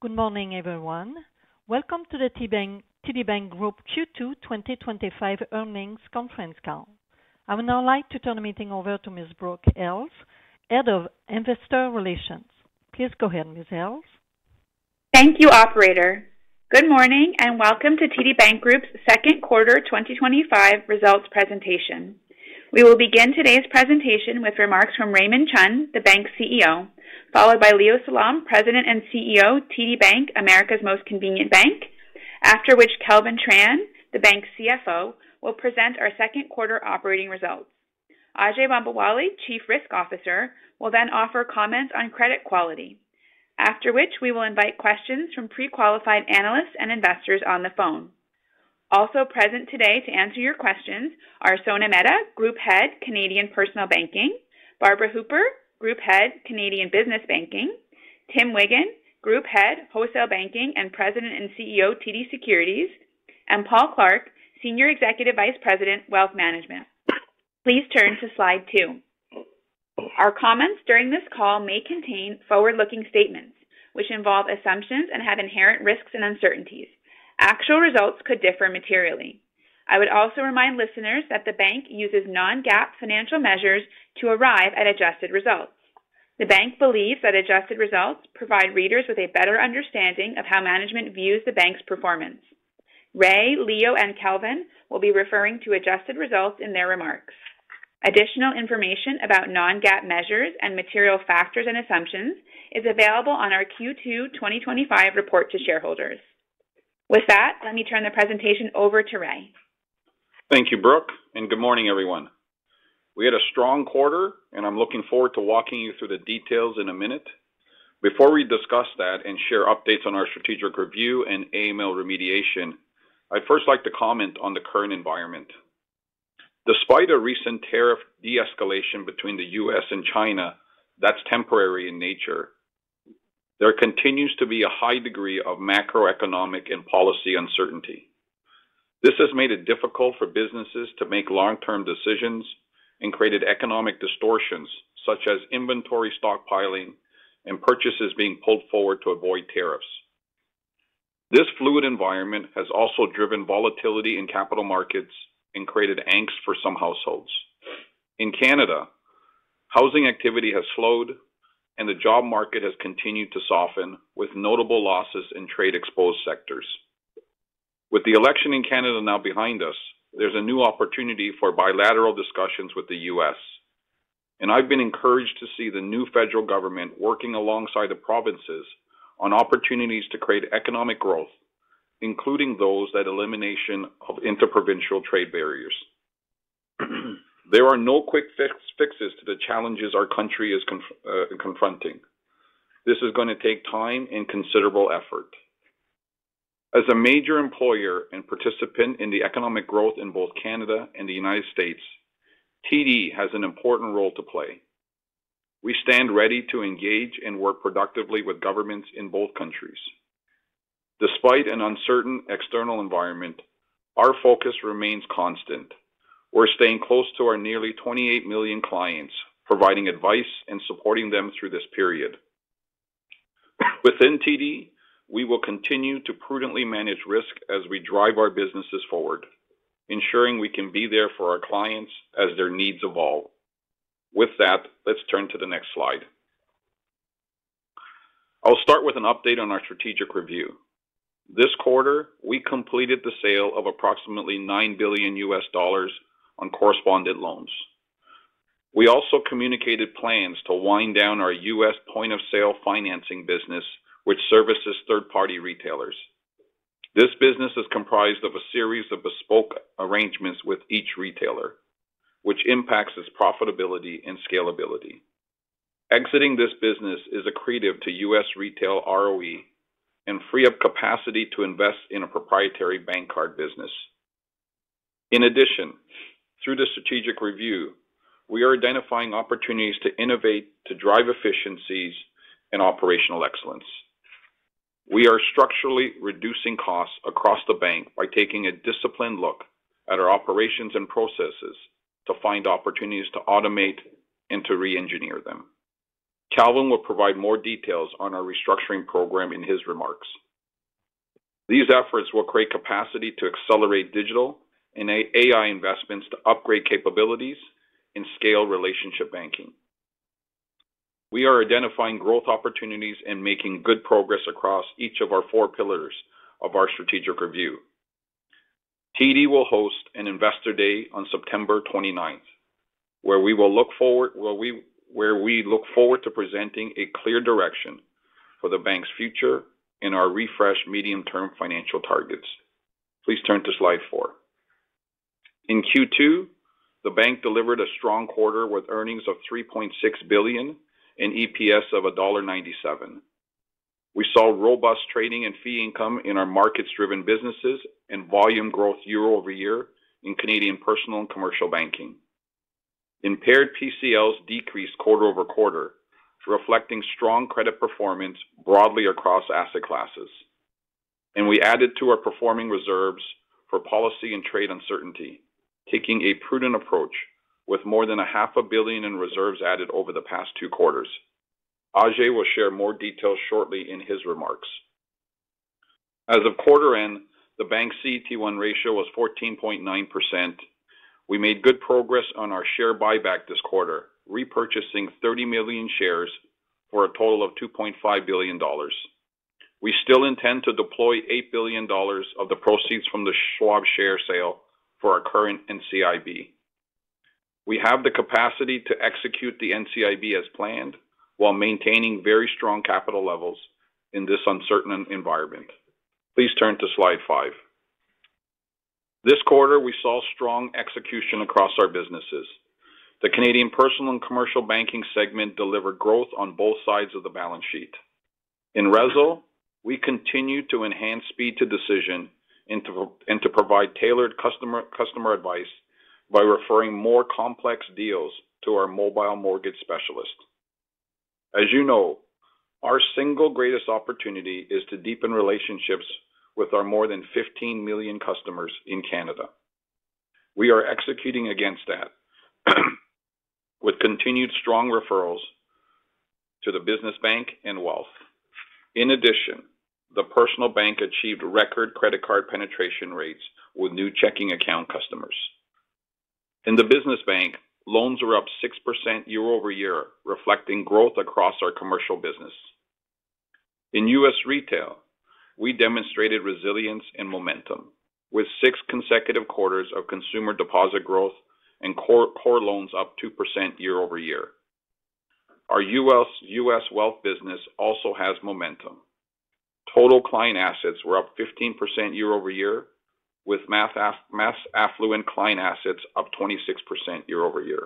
Good morning, everyone. Welcome to the TD Bank Group Q2 2025 earnings conference call. I would now like to turn the meeting over to Ms. Brooke Hales, Head of Investor Relations. Please go ahead, Ms. Hales. Thank you, Operator. Good morning and welcome to TD Bank Group's Second Quarter 2025 Results Presentation. We will begin today's presentation with remarks from Raymond Chun, the Bank's CEO, followed by Leo Salom, President and CEO of TD Bank, America's Most Convenient Bank, after which Kelvin Tran, the Bank's CFO, will present our second quarter operating results. Ajai Bambawale, Chief Risk Officer, will then offer comments on credit quality, after which we will invite questions from pre-qualified analysts and investors on the phone. Also present today to answer your questions are Sona Mehta, Group Head, Canadian Personal Banking; Barbara Hooper, Group Head, Canadian Business Banking; Tim Wiggan, Group Head, Wholesale Banking and President and CEO of TD Securities; and Paul Clark, Senior Executive Vice President, Wealth Management. Please turn to slide two. Our comments during this call may contain forward-looking statements, which involve assumptions and have inherent risks and uncertainties. Actual results could differ materially. I would also remind listeners that the Bank uses non-GAAP financial measures to arrive at adjusted results. The Bank believes that adjusted results provide readers with a better understanding of how management views the Bank's performance. Ray, Leo, and Kelvin will be referring to adjusted results in their remarks. Additional information about non-GAAP measures and material factors and assumptions is available on our Q2 2025 report to shareholders. With that, let me turn the presentation over to Ray. Thank you, Brooke, and good morning, everyone. We had a strong quarter, and I'm looking forward to walking you through the details in a minute. Before we discuss that and share updates on our strategic review and AML remediation, I'd first like to comment on the current environment. Despite a recent tariff de-escalation between the U.S. and China, that's temporary in nature, there continues to be a high degree of macroeconomic and policy uncertainty. This has made it difficult for businesses to make long-term decisions and created economic distortions, such as inventory stockpiling and purchases being pulled forward to avoid tariffs. This fluid environment has also driven volatility in capital markets and created angst for some households. In Canada, housing activity has slowed, and the job market has continued to soften, with notable losses in trade-exposed sectors. With the election in Canada now behind us, there's a new opportunity for bilateral discussions with the U.S., and I've been encouraged to see the new federal government working alongside the provinces on opportunities to create economic growth, including those that eliminate interprovincial trade barriers. There are no quick fixes to the challenges our country is confronting. This is going to take time and considerable effort. As a major employer and participant in the economic growth in both Canada and the United States, TD has an important role to play. We stand ready to engage and work productively with governments in both countries. Despite an uncertain external environment, our focus remains constant. We're staying close to our nearly 28 million clients, providing advice and supporting them through this period. Within TD, we will continue to prudently manage risk as we drive our businesses forward, ensuring we can be there for our clients as their needs evolve. With that, let's turn to the next slide. I'll start with an update on our strategic review. This quarter, we completed the sale of approximately $9 billion in correspondent loans. We also communicated plans to wind down our U.S. point-of-sale financing business, which services third-party retailers. This business is comprised of a series of bespoke arrangements with each retailer, which impacts its profitability and scalability. Exiting this business is accretive to U.S. retail ROE and frees up capacity to invest in a proprietary bank card business. In addition, through the strategic review, we are identifying opportunities to innovate to drive efficiencies and operational excellence. We are structurally reducing costs across the bank by taking a disciplined look at our operations and processes to find opportunities to automate and to re-engineer them. Kelvin will provide more details on our restructuring program in his remarks. These efforts will create capacity to accelerate digital and AI investments to upgrade capabilities and scale relationship banking. We are identifying growth opportunities and making good progress across each of our four pillars of our strategic review. TD will host an investor day on September 29, where we will look forward to presenting a clear direction for the Bank's future and our refreshed medium-term financial targets. Please turn to slide four. In Q2, the Bank delivered a strong quarter with earnings of $3.6 billion and EPS of $1.97. We saw robust trading and fee income in our markets-driven businesses and volume growth year-over-year in Canadian personal and commercial banking. Impaired PCLs decreased quarter-over-quarter, reflecting strong credit performance broadly across asset classes. We added to our performing reserves for policy and trade uncertainty, taking a prudent approach with more than $500,000,000 in reserves added over the past two quarters. Ajai will share more details shortly in his remarks. As of quarter end, the Bank's CET 1 ratio was 14.9%. We made good progress on our share buyback this quarter, repurchasing 30 million shares for a total of $2.5 billion. We still intend to deploy $8 billion of the proceeds from the Schwab share sale for our current NCIB. We have the capacity to execute the NCIB as planned while maintaining very strong capital levels in this uncertain environment. Please turn to slide five. This quarter, we saw strong execution across our businesses. The Canadian personal and commercial banking segment delivered growth on both sides of the balance sheet. In RESL, we continue to enhance speed to decision and to provide tailored customer advice by referring more complex deals to our mobile mortgage specialists. As you know, our single greatest opportunity is to deepen relationships with our more than 15 million customers in Canada. We are executing against that with continued strong referrals to the business bank and wealth. In addition, the personal bank achieved record credit card penetration rates with new checking account customers. In the business bank, loans are up 6% year-over-year, reflecting growth across our commercial business. In U.S. retail, we demonstrated resilience and momentum with six consecutive quarters of consumer deposit growth and core loans up 2% year-over-year. Our U.S. wealth business also has momentum. Total client assets were up 15% year-over-year, with mass affluent client assets up 26% year-over-year.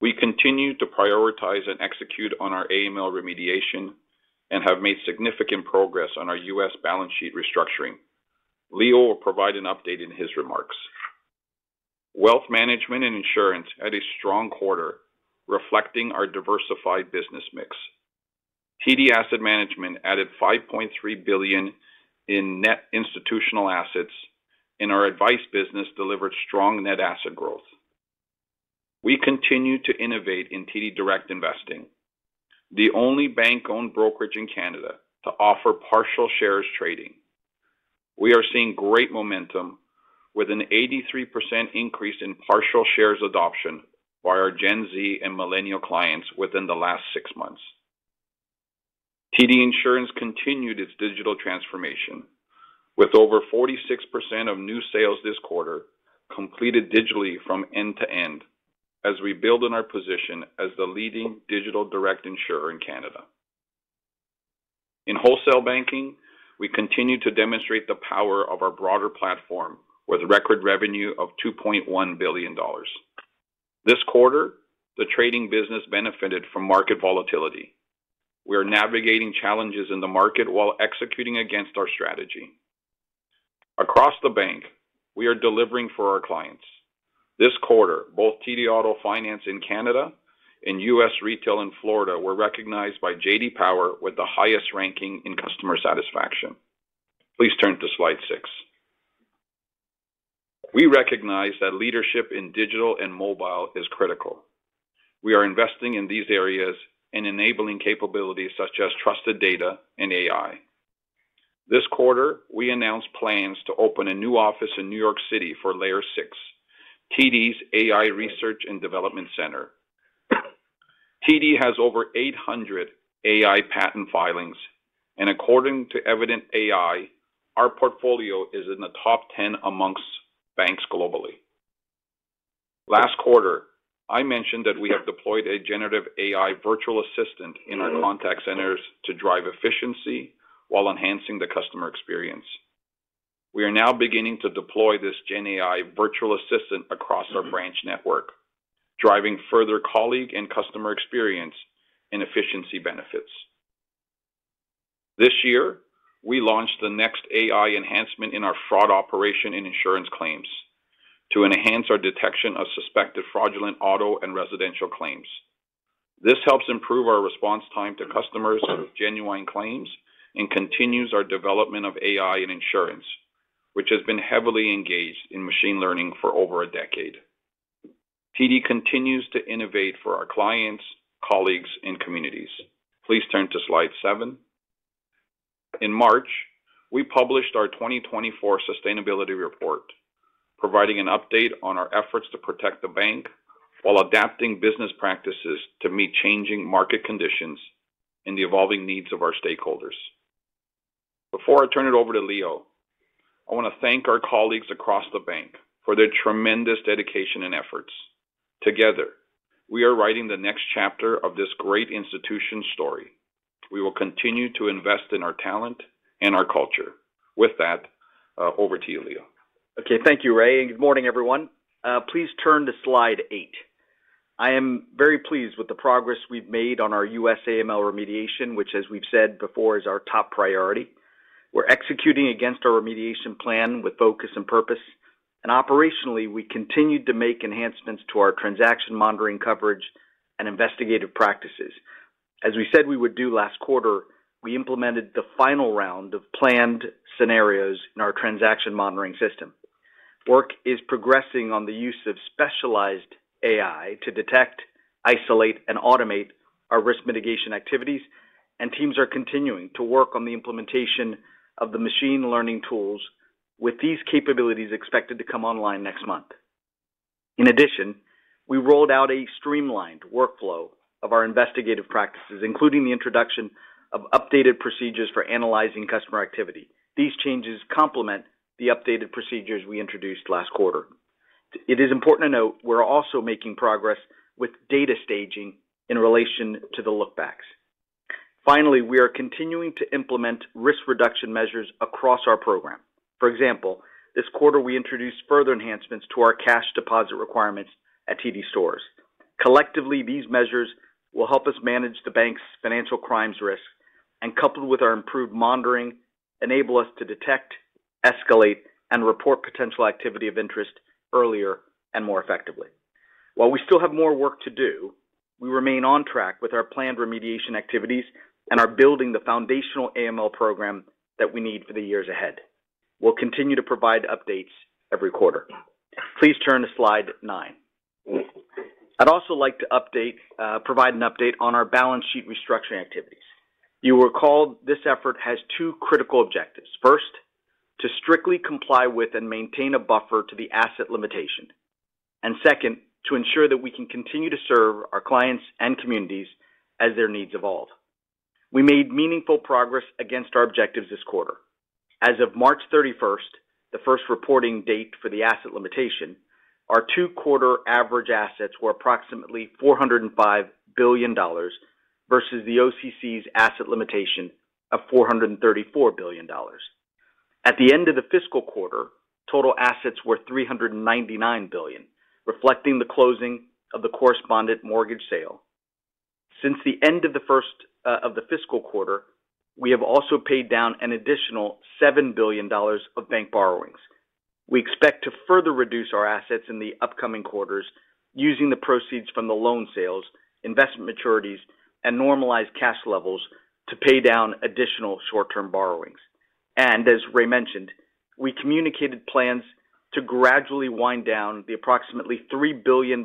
We continue to prioritize and execute on our AML remediation and have made significant progress on our U.S. balance sheet restructuring. Leo will provide an update in his remarks. Wealth management and insurance had a strong quarter, reflecting our diversified business mix. TD Asset Management added $5.3 billion in net institutional assets, and our advice business delivered strong net asset growth. We continue to innovate in TD Direct Investing, the only bank-owned brokerage in Canada to offer partial shares trading. We are seeing great momentum with an 83% increase in partial shares adoption by our Gen Z and millennial clients within the last six months. TD Insurance continued its digital transformation, with over 46% of new sales this quarter completed digitally from end to end as we build on our position as the leading digital direct insurer in Canada. In wholesale banking, we continue to demonstrate the power of our broader platform with record revenue of $2.1 billion. This quarter, the trading business benefited from market volatility. We are navigating challenges in the market while executing against our strategy. Across the bank, we are delivering for our clients. This quarter, both TD Auto Finance in Canada and U.S. retail in Florida were recognized by J.D. Power with the highest ranking in customer satisfaction. Please turn to slide six. We recognize that leadership in digital and mobile is critical. We are investing in these areas and enabling capabilities such as trusted data and AI. This quarter, we announced plans to open a new office in New York City for Layer 6, TD's AI Research and Development Center. TD has over 800 AI patent filings, and according to Evident AI, our portfolio is in the top 10 amongst banks globally. Last quarter, I mentioned that we have deployed a generative AI virtual assistant in our contact centers to drive efficiency while enhancing the customer experience. We are now beginning to deploy this GenAI virtual assistant across our branch network, driving further colleague and customer experience and efficiency benefits. This year, we launched the next AI enhancement in our fraud operation and insurance claims to enhance our detection of suspected fraudulent auto and residential claims. This helps improve our response time to customers with genuine claims and continues our development of AI and insurance, which has been heavily engaged in machine learning for over a decade. TD continues to innovate for our clients, colleagues, and communities. Please turn to slide seven. In March, we published our 2024 sustainability report, providing an update on our efforts to protect the bank while adapting business practices to meet changing market conditions and the evolving needs of our stakeholders. Before I turn it over to Leo, I want to thank our colleagues across the bank for their tremendous dedication and efforts. Together, we are writing the next chapter of this great institution's story. We will continue to invest in our talent and our culture. With that, over to you, Leo. Okay, thank you, Ray. Good morning, everyone. Please turn to slide eight. I am very pleased with the progress we've made on our U.S. AML remediation, which, as we've said before, is our top priority. We're executing against our remediation plan with focus and purpose. Operationally, we continued to make enhancements to our transaction monitoring coverage and investigative practices. As we said we would do last quarter, we implemented the final round of planned scenarios in our transaction monitoring system. Work is progressing on the use of specialized AI to detect, isolate, and automate our risk mitigation activities, and teams are continuing to work on the implementation of the machine learning tools with these capabilities expected to come online next month. In addition, we rolled out a streamlined workflow of our investigative practices, including the introduction of updated procedures for analyzing customer activity. These changes complement the updated procedures we introduced last quarter. It is important to note we're also making progress with data staging in relation to the lookbacks. Finally, we are continuing to implement risk reduction measures across our program. For example, this quarter, we introduced further enhancements to our cash deposit requirements at TD Stores. Collectively, these measures will help us manage the bank's financial crimes risk, and coupled with our improved monitoring, enable us to detect, escalate, and report potential activity of interest earlier and more effectively. While we still have more work to do, we remain on track with our planned remediation activities and are building the foundational AML program that we need for the years ahead. We'll continue to provide updates every quarter. Please turn to slide nine. I'd also like to provide an update on our balance sheet restructuring activities. You will recall this effort has two critical objectives. First, to strictly comply with and maintain a buffer to the asset limitation. Second, to ensure that we can continue to serve our clients and communities as their needs evolve. We made meaningful progress against our objectives this quarter. As of March 31, the first reporting date for the asset limitation, our two-quarter average assets were approximately $405 billion versus the OCC's asset limitation of $434 billion. At the end of the fiscal quarter, total assets were $399 billion, reflecting the closing of the correspondent mortgage sale. Since the end of the fiscal quarter, we have also paid down an additional $7 billion of bank borrowings. We expect to further reduce our assets in the upcoming quarters using the proceeds from the loan sales, investment maturities, and normalized cash levels to pay down additional short-term borrowings. As Ray mentioned, we communicated plans to gradually wind down the approximately $3 billion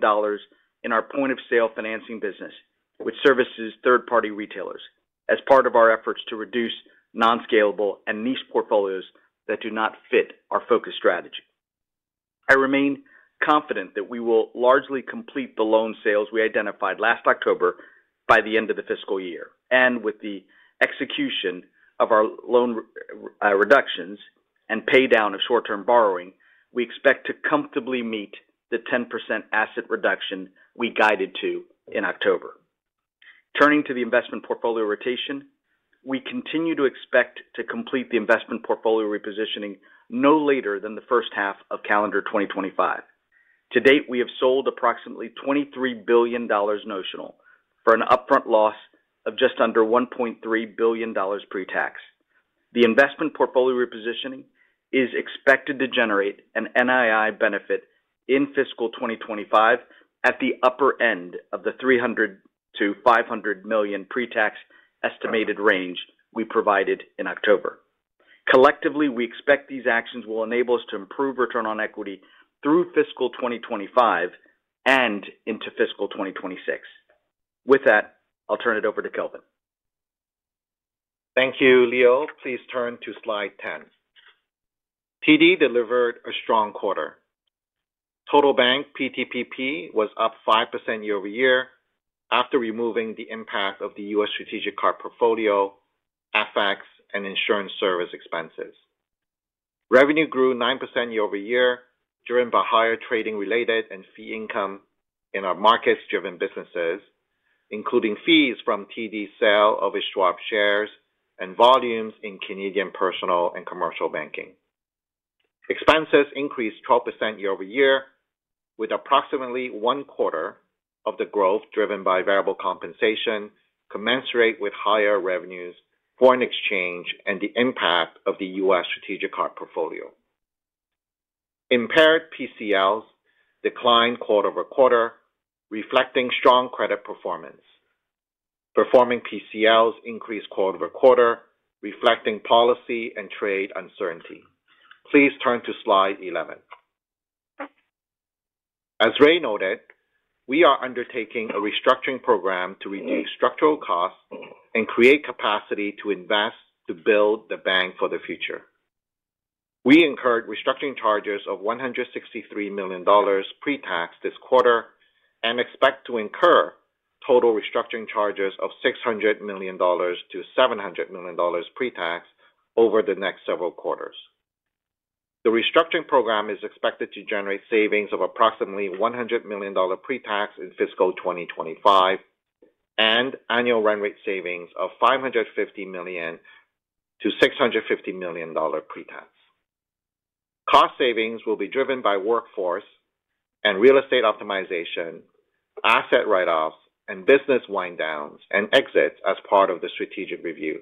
in our point-of-sale financing business, which services third-party retailers, as part of our efforts to reduce non-scalable and niche portfolios that do not fit our focus strategy. I remain confident that we will largely complete the loan sales we identified last October by the end of the fiscal year. With the execution of our loan reductions and pay down of short-term borrowing, we expect to comfortably meet the 10% asset reduction we guided to in October. Turning to the investment portfolio rotation, we continue to expect to complete the investment portfolio repositioning no later than the first half of calendar 2025. To date, we have sold approximately $23 billion notional for an upfront loss of just under $1.3 billion pre-tax. The investment portfolio repositioning is expected to generate an NII benefit in fiscal 2025 at the upper end of the $300-$500 million pre-tax estimated range we provided in October. Collectively, we expect these actions will enable us to improve return on equity through fiscal 2025 and into fiscal 2026. With that, I'll turn it over to Kelvin. Thank you, Leo. Please turn to slide 10. TD delivered a strong quarter. Total bank PTPP was up 5% year-over-year after removing the impact of the U.S. strategic card portfolio, FX, and insurance service expenses. Revenue grew 9% year-over-year driven by higher trading-related and fee income in our markets-driven businesses, including fees from TD's sale of Schwab shares and volumes in Canadian personal and commercial banking. Expenses increased 12% year-over-year, with approximately one quarter of the growth driven by variable compensation commensurate with higher revenues, foreign exchange, and the impact of the U.S. strategic card portfolio. Impaired PCLs declined quarter-over-quarter, reflecting strong credit performance. Performing PCLs increased quarter-over-quarter, reflecting policy and trade uncertainty. Please turn to slide 11. As Ray noted, we are undertaking a restructuring program to reduce structural costs and create capacity to invest to build the bank for the future. We incurred restructuring charges of $163 million pre-tax this quarter and expect to incur total restructuring charges of $600 million-$700 million pre-tax over the next several quarters. The restructuring program is expected to generate savings of approximately $100 million pre-tax in fiscal 2025 and annual run rate savings of $550 million-$650 million pre-tax. Cost savings will be driven by workforce and real estate optimization, asset write-offs, and business wind-downs and exits as part of the strategic review.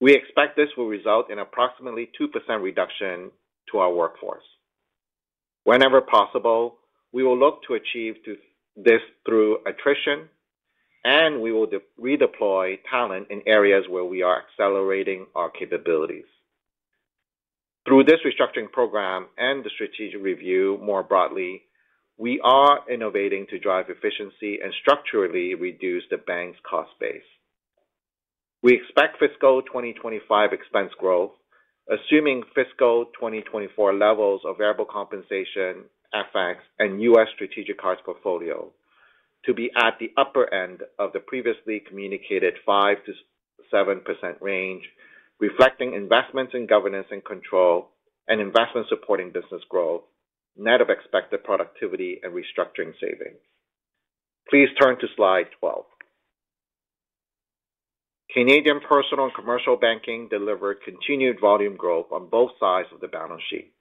We expect this will result in approximately 2% reduction to our workforce. Whenever possible, we will look to achieve this through attrition, and we will redeploy talent in areas where we are accelerating our capabilities. Through this restructuring program and the strategic review more broadly, we are innovating to drive efficiency and structurally reduce the bank's cost base. We expect fiscal 2025 expense growth, assuming fiscal 2024 levels of variable compensation, FX, and U.S. strategic cards portfolio to be at the upper end of the previously communicated 5%-7% range, reflecting investments in governance and control and investment-supporting business growth, net of expected productivity and restructuring savings. Please turn to slide 12. Canadian personal and commercial banking delivered continued volume growth on both sides of the balance sheet.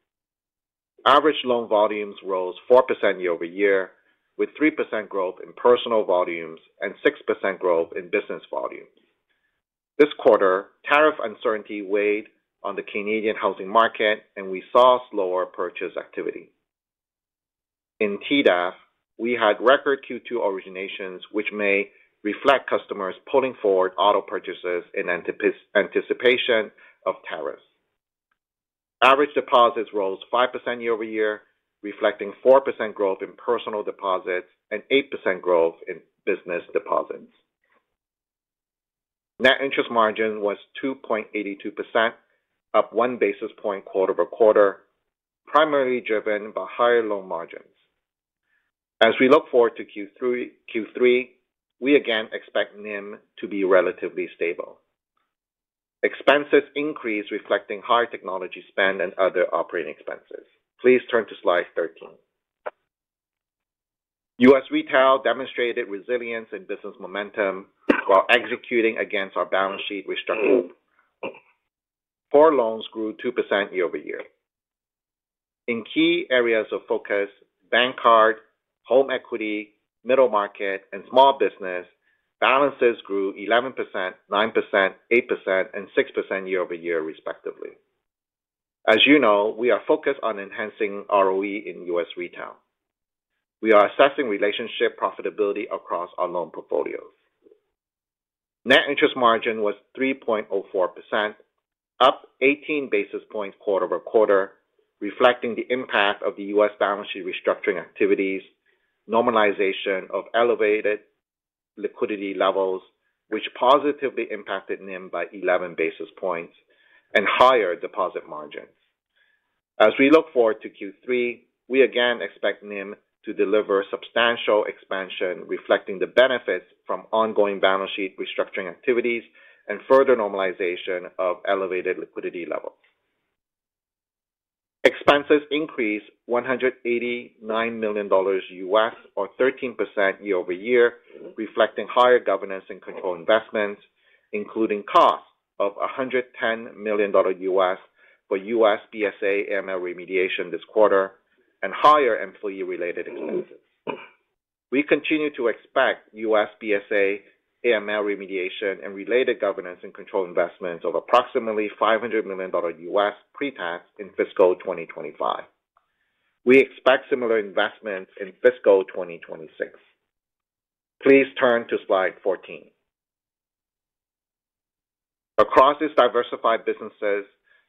Average loan volumes rose 4% year-over-year, with 3% growth in personal volumes and 6% growth in business volumes. This quarter, tariff uncertainty weighed on the Canadian housing market, and we saw slower purchase activity. In TDAF, we had record Q2 originations, which may reflect customers pulling forward auto purchases in anticipation of tariffs. Average deposits rose 5% year-over-year, reflecting 4% growth in personal deposits and 8% growth in business deposits. Net interest margin was 2.82%, up one basis point quarter-over-quarter, primarily driven by higher loan margins. As we look forward to Q3, we again expect NIM to be relatively stable. Expenses increased, reflecting higher technology spend and other operating expenses. Please turn to slide 13. U.S. retail demonstrated resilience and business momentum while executing against our balance sheet restructuring. Four loans grew 2% year-over-year. In key areas of focus, bank card, home equity, middle market, and small business, balances grew 11%, 9%, 8%, and 6% year-over-year, respectively. As you know, we are focused on enhancing ROE in U.S. retail. We are assessing relationship profitability across our loan portfolios. Net interest margin was 3.04%, up 18 basis points quarter-over-quarter, reflecting the impact of the U.S. balance sheet restructuring activities, normalization of elevated liquidity levels, which positively impacted NIM by 11 basis points, and higher deposit margins. As we look forward to Q3, we again expect NIM to deliver substantial expansion, reflecting the benefits from ongoing balance sheet restructuring activities and further normalization of elevated liquidity levels. Expenses increased $189 million US, or 13% year-over-year, reflecting higher governance and control investments, including costs of $110 million US for U.S. BSA/AML remediation this quarter and higher employee-related expenses. We continue to expect U.S. BSA/AML remediation and related governance and control investments of approximately $500 million US pre-tax in fiscal 2025. We expect similar investments in fiscal 2026. Please turn to slide 14. Across these diversified businesses,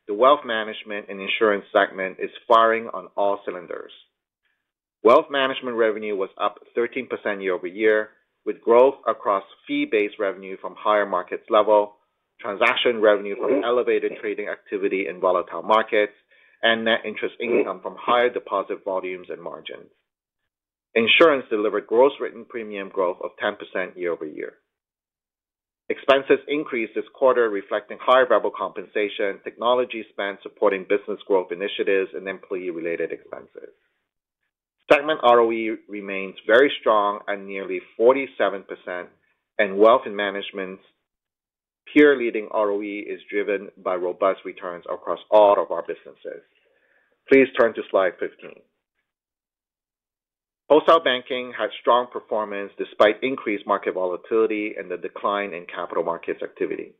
the wealth management and insurance segment is firing on all cylinders. Wealth management revenue was up 13% year-over-year, with growth across fee-based revenue from higher markets level, transaction revenue from elevated trading activity in volatile markets, and net interest income from higher deposit volumes and margins. Insurance delivered gross written premium growth of 10% year-over-year. Expenses increased this quarter, reflecting higher variable compensation, technology spend supporting business growth initiatives, and employee-related expenses. Segment ROE remains very strong at nearly 47%, and wealth management's peer-leading ROE is driven by robust returns across all of our businesses. Please turn to slide 15. Post-out banking had strong performance despite increased market volatility and the decline in capital markets activity.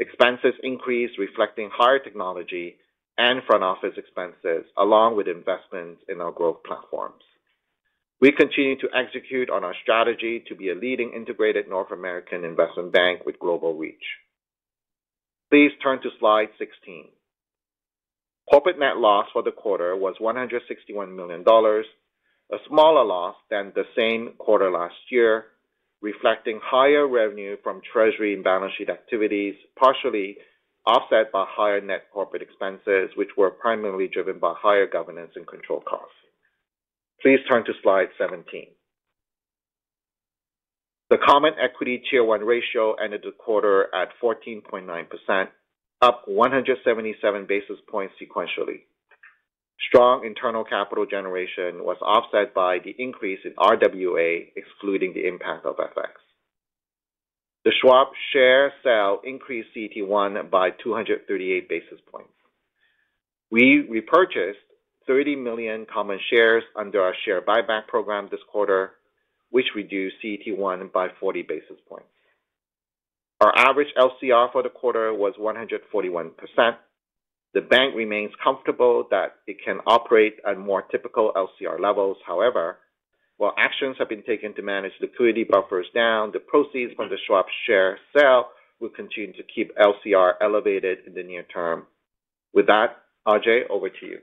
Expenses increased, reflecting higher technology and front office expenses, along with investments in our growth platforms. We continue to execute on our strategy to be a leading integrated North American investment bank with global reach. Please turn to slide 16. Corporate net loss for the quarter was $161 million, a smaller loss than the same quarter last year, reflecting higher revenue from treasury and balance sheet activities, partially offset by higher net corporate expenses, which were primarily driven by higher governance and control costs. Please turn to slide 17. The Common Equity Tier 1 ratio ended the quarter at 14.9%, up 177 basis points sequentially. Strong internal capital generation was offset by the increase in RWA, excluding the impact of FX. The Schwab share sale increased CET 1 by 238 basis points. We repurchased 30 million common shares under our share buyback program this quarter, which reduced CET 1 by 40 basis points. Our average LCR for the quarter was 141%. The bank remains comfortable that it can operate at more typical LCR levels. However, while actions have been taken to manage liquidity buffers down, the proceeds from the Schwab share sale will continue to keep LCR elevated in the near term. With that, Ajai, over to you.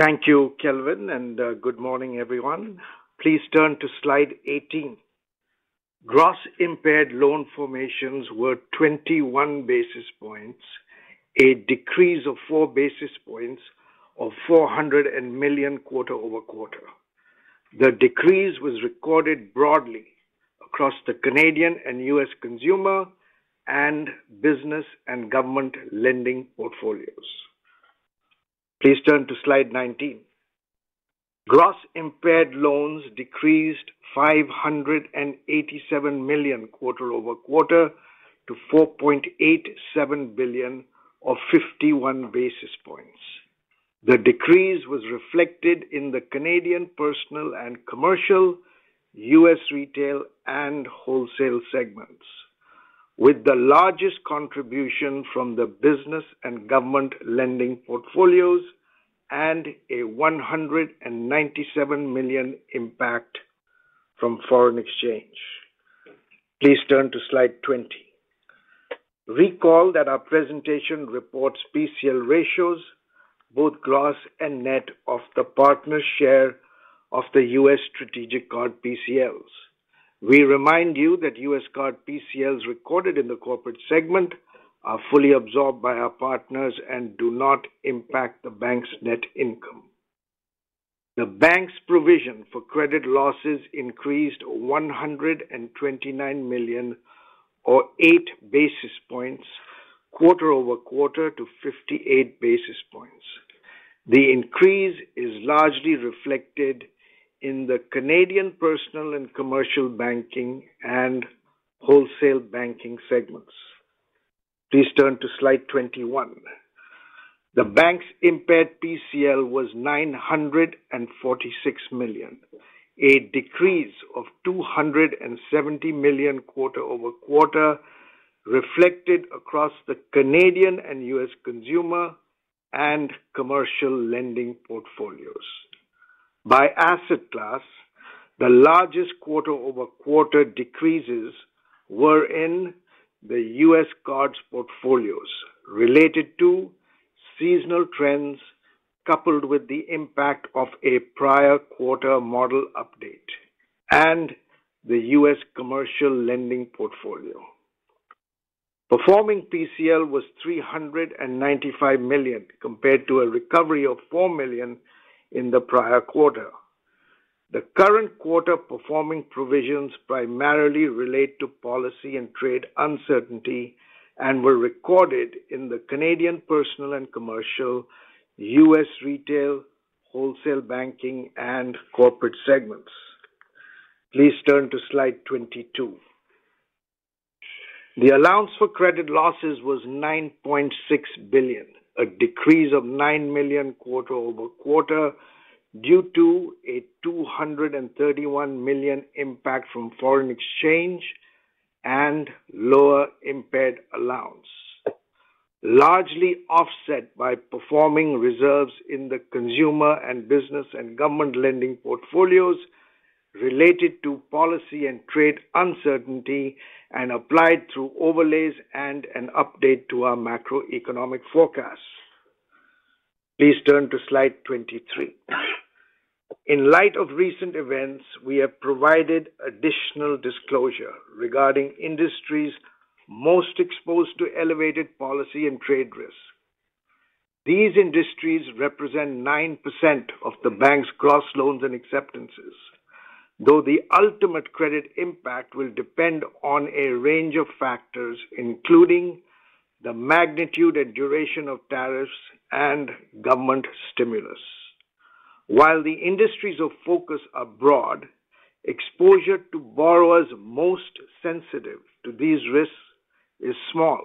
Thank you, Kelvin, and good morning, everyone. Please turn to slide 18. Gross impaired loan formations were 21 basis points, a decrease of four basis points of $400 million quarter-over-quarter. The decrease was recorded broadly across the Canadian and U.S. consumer and business and government lending portfolios. Please turn to slide 19. Gross impaired loans decreased $587 million quarter-over-quarter to $4.87 billion of 51 basis points. The decrease was reflected in the Canadian personal and commercial, U.S. retail, and wholesale segments, with the largest contribution from the business and government lending portfolios and a $197 million impact from foreign exchange. Please turn to slide 20. Recall that our presentation reports PCL ratios, both gross and net, of the partner share of the U.S. strategic card PCLs. We remind you that U.S. Card PCLs recorded in the corporate segment are fully absorbed by our partners and do not impact the bank's net income. The bank's provision for credit losses increased $129 million or 8 basis points quarter-over-quarter to 58 basis points. The increase is largely reflected in the Canadian personal and commercial banking and wholesale banking segments. Please turn to slide 21. The bank's impaired PCL was $946 million, a decrease of $270 million quarter-over-quarter, reflected across the Canadian and U.S. consumer and commercial lending portfolios. By asset class, the largest quarter-over-quarter decreases were in the U.S. cards portfolios related to seasonal trends coupled with the impact of a prior quarter model update and the U.S. commercial lending portfolio. Performing PCL was $395 million compared to a recovery of $4 million in the prior quarter. The current quarter performing provisions primarily relate to policy and trade uncertainty and were recorded in the Canadian personal and commercial, U.S. retail, wholesale banking, and corporate segments. Please turn to slide 22. The allowance for credit losses was 9.6 billion, a decrease of 9 million quarter-over-quarter due to a 231 million impact from foreign exchange and lower impaired allowance, largely offset by performing reserves in the consumer and business and government lending portfolios related to policy and trade uncertainty and applied through overlays and an update to our macroeconomic forecasts. Please turn to slide 23. In light of recent events, we have provided additional disclosure regarding industries most exposed to elevated policy and trade risk. These industries represent 9% of the bank's gross loans and acceptances, though the ultimate credit impact will depend on a range of factors, including the magnitude and duration of tariffs and government stimulus. While the industries of focus abroad, exposure to borrowers most sensitive to these risks is small,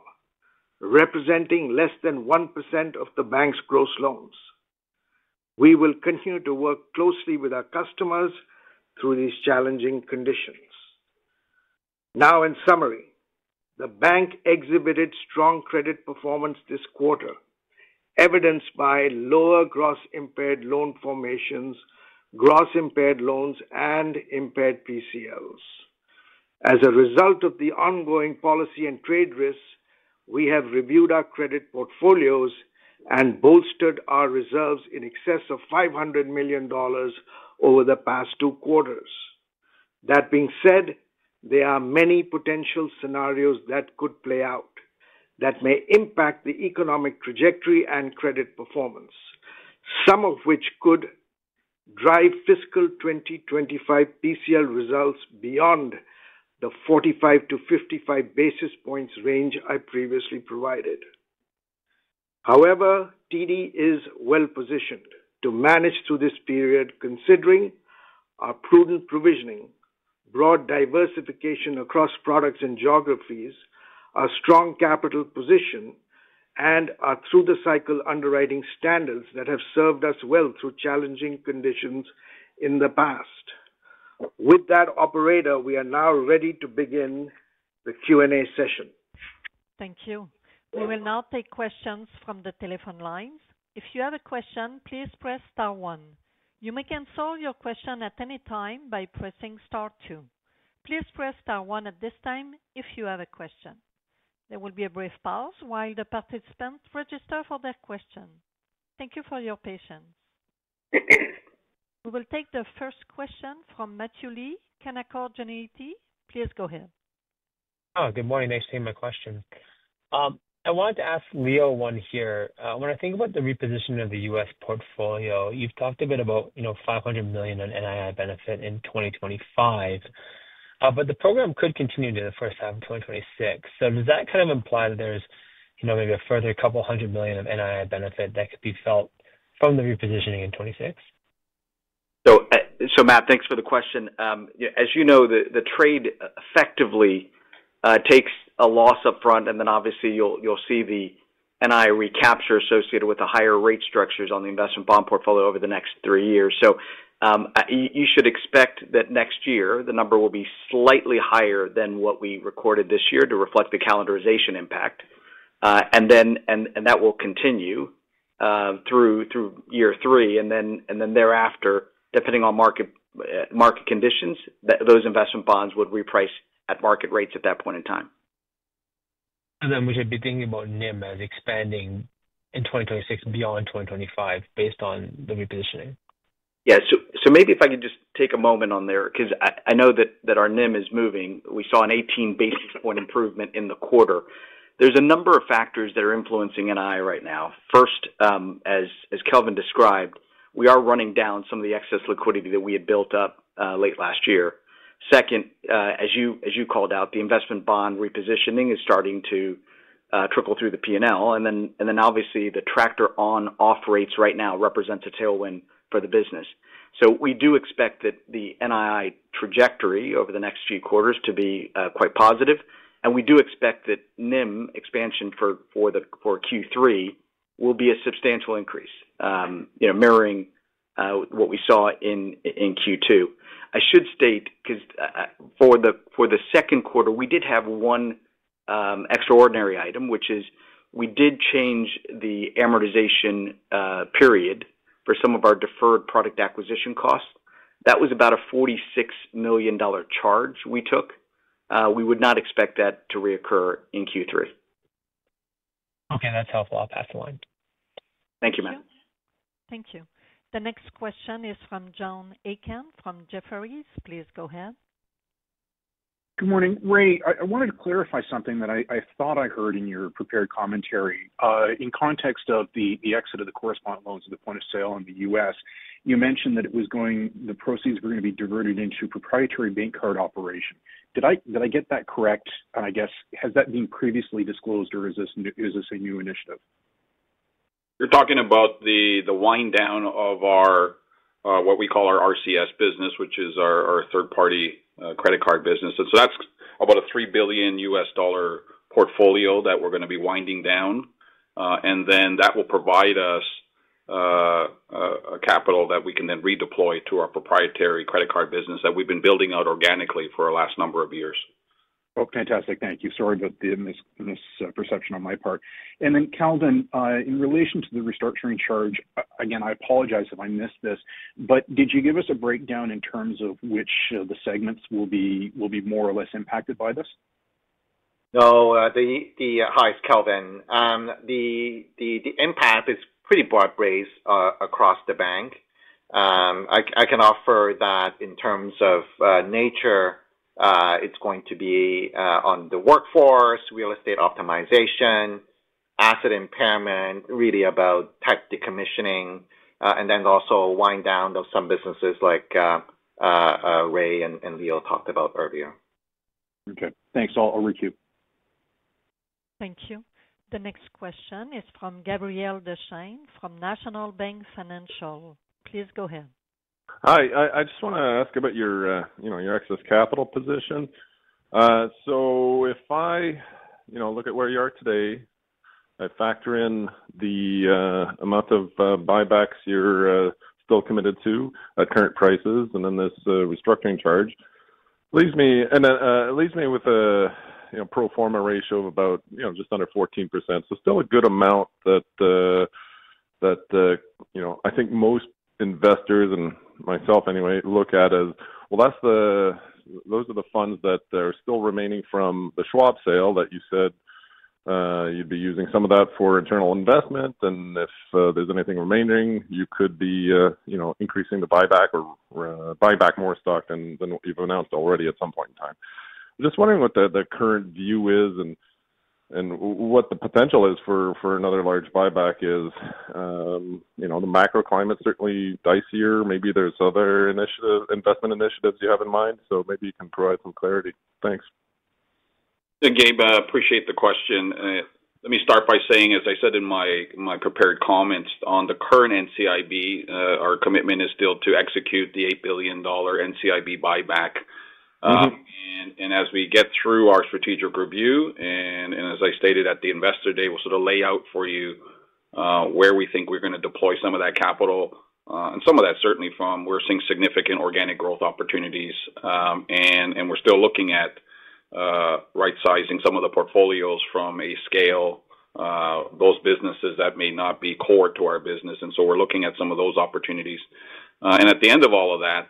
representing less than 1% of the bank's gross loans. We will continue to work closely with our customers through these challenging conditions. Now, in summary, the bank exhibited strong credit performance this quarter, evidenced by lower gross impaired loan formations, gross impaired loans, and impaired PCLs. As a result of the ongoing policy and trade risks, we have reviewed our credit portfolios and bolstered our reserves in excess of $500 million over the past two quarters. That being said, there are many potential scenarios that could play out that may impact the economic trajectory and credit performance, some of which could drive fiscal 2025 PCL results beyond the 45-55 basis points range I previously provided. However, TD is well positioned to manage through this period, considering our prudent provisioning, broad diversification across products and geographies, our strong capital position, and our through-the-cycle underwriting standards that have served us well through challenging conditions in the past. With that, operator, we are now ready to begin the Q&A session. Thank you. We will now take questions from the telephone lines. If you have a question, please press *1. You may cancel your question at any time by pressing *2. Please press *1 at this time if you have a question. There will be a brief pause while the participants register for their question. Thank you for your patience. We will take the first question from Matthew Lee, Canaccord Genuity. Please go ahead. Hi, good morning. Nice to hear my question. I wanted to ask Leo one here. When I think about the repositioning of the U.S. portfolio, you've talked a bit about $500 million in NII benefit in 2025, but the program could continue to the first half of 2026. Does that kind of imply that there's maybe a further couple hundred million of NII benefit that could be felt from the repositioning in '26? Matt, thanks for the question. As you know, the trade effectively takes a loss upfront, and then obviously you'll see the NII recapture associated with the higher rate structures on the investment bond portfolio over the next three years. You should expect that next year the number will be slightly higher than what we recorded this year to reflect the calendarization impact. That will continue through year three. Thereafter, depending on market conditions, those investment bonds would reprice at market rates at that point in time. We should be thinking about NIM as expanding in 2026 beyond 2025 based on the repositioning? Yeah. Maybe if I could just take a moment on there because I know that our NIM is moving. We saw an 18 basis point improvement in the quarter. There is a number of factors that are influencing NII right now. First, as Kelvin described, we are running down some of the excess liquidity that we had built up late last year. Second, as you called out, the investment bond repositioning is starting to trickle through the P&L. Obviously, the tractor on-off rates right now represent a tailwind for the business. We do expect that the NII trajectory over the next few quarters to be quite positive. We do expect that NIM expansion for Q3 will be a substantial increase, mirroring what we saw in Q2. I should state because for the second quarter, we did have one extraordinary item, which is we did change the amortization period for some of our deferred product acquisition costs. That was about a 46 million dollar charge we took. We would not expect that to reoccur in Q3. Okay. That's helpful. I'll pass the line. Thank you, Matt. Thank you. The next question is from John Aiken from Jefferies. Please go ahead. Good morning, Ray. I wanted to clarify something that I thought I heard in your prepared commentary. In context of the exit of the correspondent loans to the point-of-sale in the U.S., you mentioned that the proceeds were going to be diverted into proprietary bank card operation. Did I get that correct? I guess, has that been previously disclosed, or is this a new initiative? You're talking about the wind down of what we call our RCS business, which is our third-party credit card business. That is about a $3 billion portfolio that we are going to be winding down. That will provide us capital that we can then redeploy to our proprietary credit card business that we have been building out organically for the last number of years. Oh, fantastic. Thank you. Sorry about the misperception on my part. Calvin, in relation to the restructuring charge, again, I apologize if I missed this, but did you give us a breakdown in terms of which of the segments will be more or less impacted by this? No, the highest, Kelvin. The impact is pretty broad-based across the bank. I can offer that in terms of nature. It's going to be on the workforce, real estate optimization, asset impairment, really about tech decommissioning, and then also wind down of some businesses like Ray and Leo talked about earlier. Okay. Thanks. I'll requeue. Thank you. The next question is from Gabriel Dechaine from National Bank Financial. Please go ahead. Hi. I just want to ask about your excess capital position. If I look at where you are today, I factor in the amount of buybacks you are still committed to at current prices, and then this restructuring charge, it leaves me with a pro forma ratio of about just under 14%. Still a good amount that I think most investors, and myself anyway, look at as, those are the funds that are still remaining from the Schwab sale that you said you would be using some of that for internal investment. If there is anything remaining, you could be increasing the buyback or buy back more stock than you have announced already at some point in time. Just wondering what the current view is and what the potential is for another large buyback as the macro climate is certainly diceier. Maybe there are other investment initiatives you have in mind? Maybe you can provide some clarity. Thanks. Thank you, Gabe. I appreciate the question. Let me start by saying, as I said in my prepared comments, on the current NCIB, our commitment is still to execute the $8 billion NCIB buyback. As we get through our strategic review, and as I stated at the investor day, we will sort of lay out for you where we think we are going to deploy some of that capital. Some of that is certainly from where we are seeing significant organic growth opportunities. We are still looking at right-sizing some of the portfolios from a scale, those businesses that may not be core to our business. We are looking at some of those opportunities. At the end of all of that,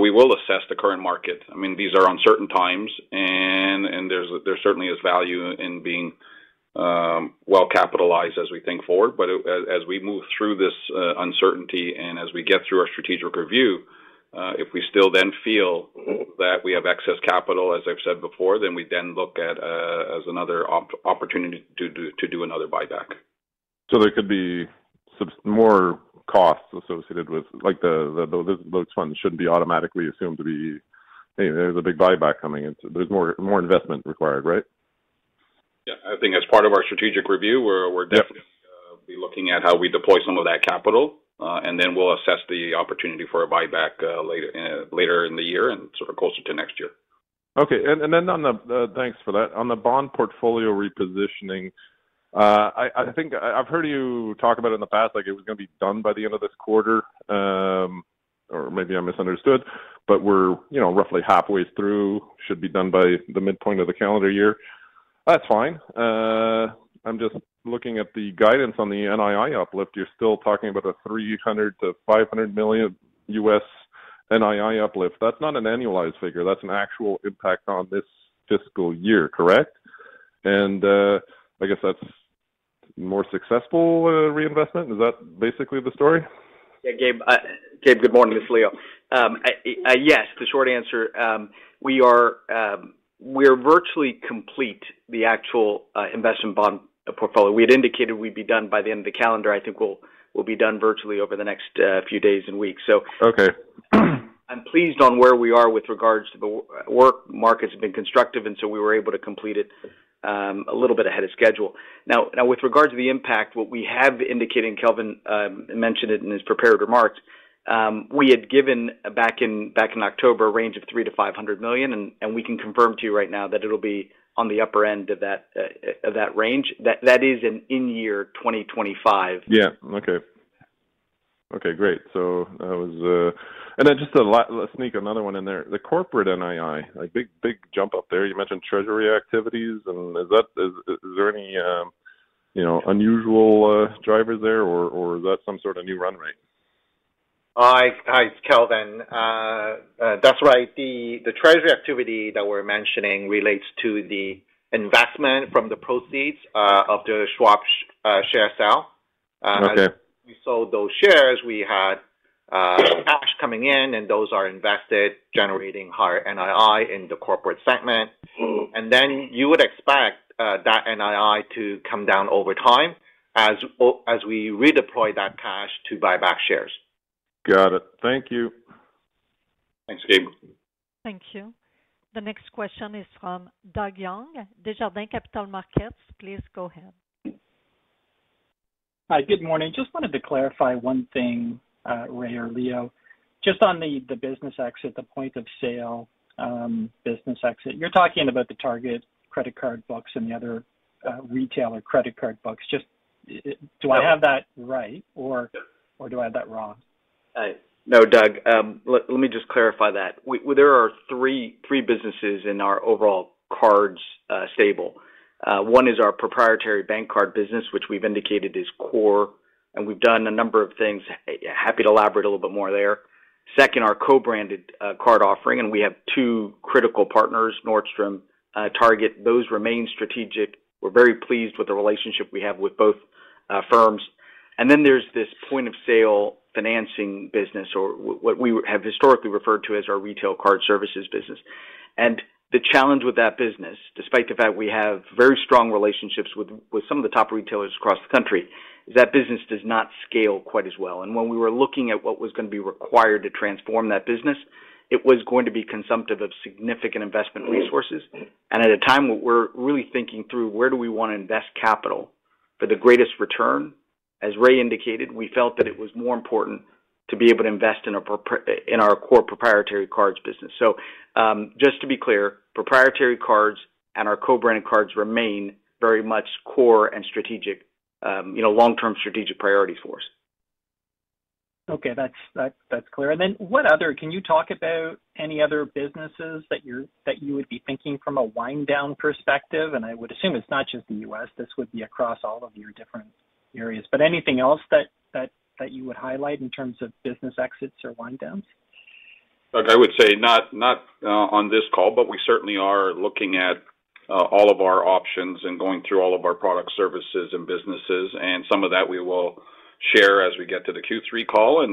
we will assess the current market. I mean, these are uncertain times, and there certainly is value in being well capitalized as we think forward. As we move through this uncertainty and as we get through our strategic review, if we still then feel that we have excess capital, as I've said before, then we then look at it as another opportunity to do another buyback. There could be some more costs associated with those funds. It should not be automatically assumed to be, "Hey, there's a big buyback coming in." There is more investment required, right? Yeah. I think as part of our strategic review, we'll definitely be looking at how we deploy some of that capital. We will assess the opportunity for a buyback later in the year and sort of closer to next year. Okay. Thanks for that. On the bond portfolio repositioning, I think I've heard you talk about it in the past, like it was going to be done by the end of this quarter, or maybe I misunderstood, but we're roughly halfway through, should be done by the midpoint of the calendar year. That's fine. I'm just looking at the guidance on the NII uplift. You're still talking about a $300 million-$500 million U.S. NII uplift. That's not an annualized figure. That's an actual impact on this fiscal year, correct? I guess that's a more successful reinvestment. Is that basically the story? Yeah, Gabe. Gabe, good morning. This is Leo. Yes, the short answer, we are virtually complete, the actual investment bond portfolio. We had indicated we'd be done by the end of the calendar. I think we'll be done virtually over the next few days and weeks. I am pleased on where we are with regards to the work. Markets have been constructive, and we were able to complete it a little bit ahead of schedule. Now, with regards to the impact, what we have indicated, and Kelvin mentioned it in his prepared remarks, we had given back in October a range of $300 million-$500 million, and we can confirm to you right now that it'll be on the upper end of that range. That is in year 2025. Yeah. Okay. Okay. Great. Just to sneak another one in there, the corporate NII, big jump up there. You mentioned treasury activities. Is there any unusual drivers there, or is that some sort of new run rate? Hi, Kelvin. That's right. The treasury activity that we're mentioning relates to the investment from the proceeds of the Schwab share sale. We sold those shares. We had cash coming in, and those are invested, generating higher NII in the corporate segment. You would expect that NII to come down over time as we redeploy that cash to buy back shares. Got it. Thank you. Thanks, Gabe. Thank you. The next question is from Doug Young, Desjardins Capital Markets. Please go ahead. Hi, good morning. Just wanted to clarify one thing, Ray or Leo. Just on the business exit, the point-of-sale business exit, you're talking about the Target credit card books and the other retailer credit card books. Do I have that right, or do I have that wrong? No, Doug, let me just clarify that. There are three businesses in our overall cards table. One is our proprietary bank card business, which we've indicated is core, and we've done a number of things. Happy to elaborate a little bit more there. Second, our co-branded card offering, and we have two critical partners, Nordstrom, Target. Those remain strategic. We're very pleased with the relationship we have with both firms. Then there's this point-of-sale financing business, or what we have historically referred to as our retail card services business. The challenge with that business, despite the fact we have very strong relationships with some of the top retailers across the country, is that business does not scale quite as well. When we were looking at what was going to be required to transform that business, it was going to be consumptive of significant investment resources. At a time where we're really thinking through where do we want to invest capital for the greatest return, as Ray indicated, we felt that it was more important to be able to invest in our core proprietary cards business. Just to be clear, proprietary cards and our co-branded cards remain very much core and long-term strategic priorities for us. Okay. That's clear. Can you talk about any other businesses that you would be thinking from a wind down perspective? I would assume it's not just the U.S. This would be across all of your different areas. Anything else that you would highlight in terms of business exits or wind downs? Look, I would say not on this call, but we certainly are looking at all of our options and going through all of our product services and businesses. Some of that we will share as we get to the Q3 call.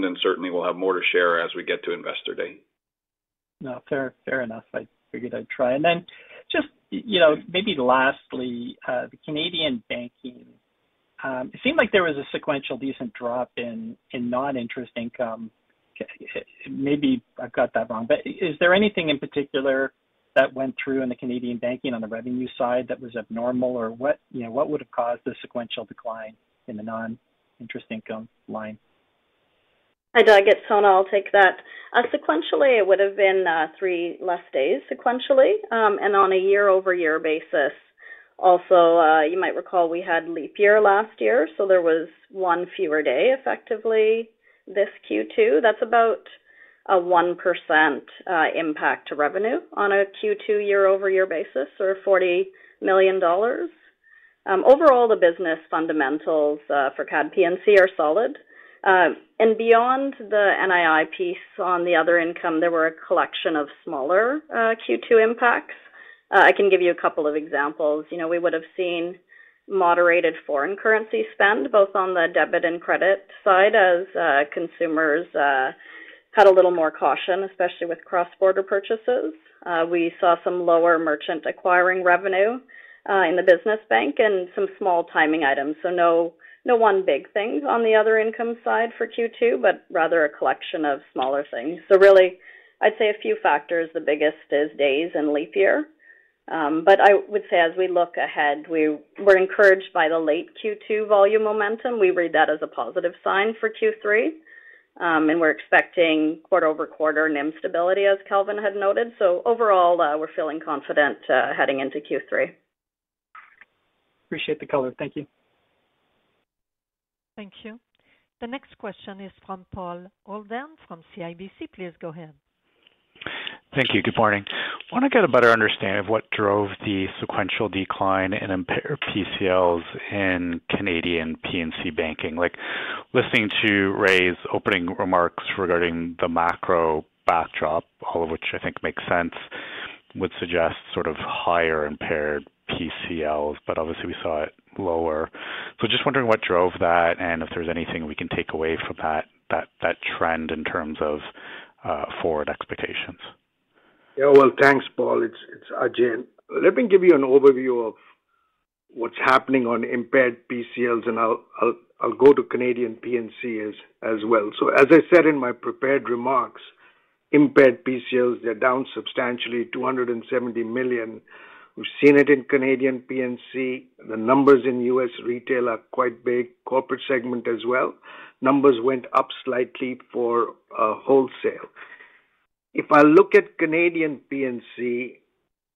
We will have more to share as we get to investor day. No, fair enough. I figured I'd try. And then just maybe lastly, the Canadian banking, it seemed like there was a sequential decent drop in non-interest income. Maybe I've got that wrong. But is there anything in particular that went through in the Canadian banking on the revenue side that was abnormal, or what would have caused the sequential decline in the non-interest income line? Hi, Doug. It's Sona. I'll take that. Sequentially, it would have been three less days sequentially. On a year-over-year basis, also, you might recall we had leap year last year. There was one fewer day effectively this Q2. That's about a 1% impact to revenue on a Q2 year-over-year basis or 40 million dollars. Overall, the business fundamentals for CAD/P&C are solid. Beyond the NII piece on the other income, there were a collection of smaller Q2 impacts. I can give you a couple of examples. We would have seen moderated foreign currency spend, both on the debit and credit side, as consumers had a little more caution, especially with cross-border purchases. We saw some lower merchant acquiring revenue in the business bank and some small timing items. No one big thing on the other income side for Q2, but rather a collection of smaller things. I'd say a few factors. The biggest is days and leap year. I would say as we look ahead, we were encouraged by the late Q2 volume momentum. We read that as a positive sign for Q3. We're expecting quarter-over-quarter NIM stability, as Kelvin had noted. Overall, we're feeling confident heading into Q3. Appreciate the color. Thank you. Thank you. The next question is from Paul Holden from CIBC. Please go ahead. Thank you. Good morning. I want to get a better understanding of what drove the sequential decline in impaired PCLs in Canadian P&C banking. Listening to Ray's opening remarks regarding the macro backdrop, all of which I think makes sense, would suggest sort of higher impaired PCLs, but obviously, we saw it lower. Just wondering what drove that and if there's anything we can take away from that trend in terms of forward expectations. Yeah. Thanks, Paul. It's Ajai. Let me give you an overview of what's happening on impaired PCLs, and I'll go to Canadian P&C as well. As I said in my prepared remarks, impaired PCLs, they're down substantially, $270 million. We've seen it in Canadian P&C. The numbers in U.S. retail are quite big. Corporate segment as well. Numbers went up slightly for wholesale. If I look at Canadian P&C,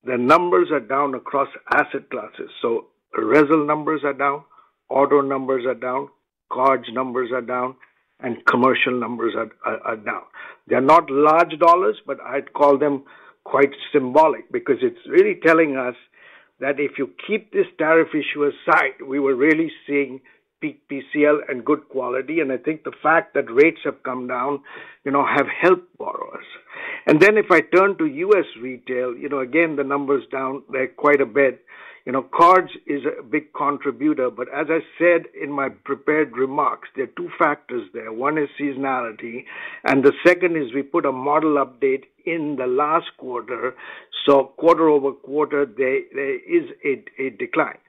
the numbers are down across asset classes. So RESL numbers are down, auto numbers are down, cards numbers are down, and commercial numbers are down. They're not large dollars, but I'd call them quite symbolic because it's really telling us that if you keep this tariff issue aside, we were really seeing peak PCL and good quality. I think the fact that rates have come down have helped borrowers. If I turn to U.S. Retail, again, the numbers down quite a bit. Cards is a big contributor. As I said in my prepared remarks, there are two factors there. One is seasonality, and the second is we put a model update in the last quarter. Quarter-over-quarter, there is a decline.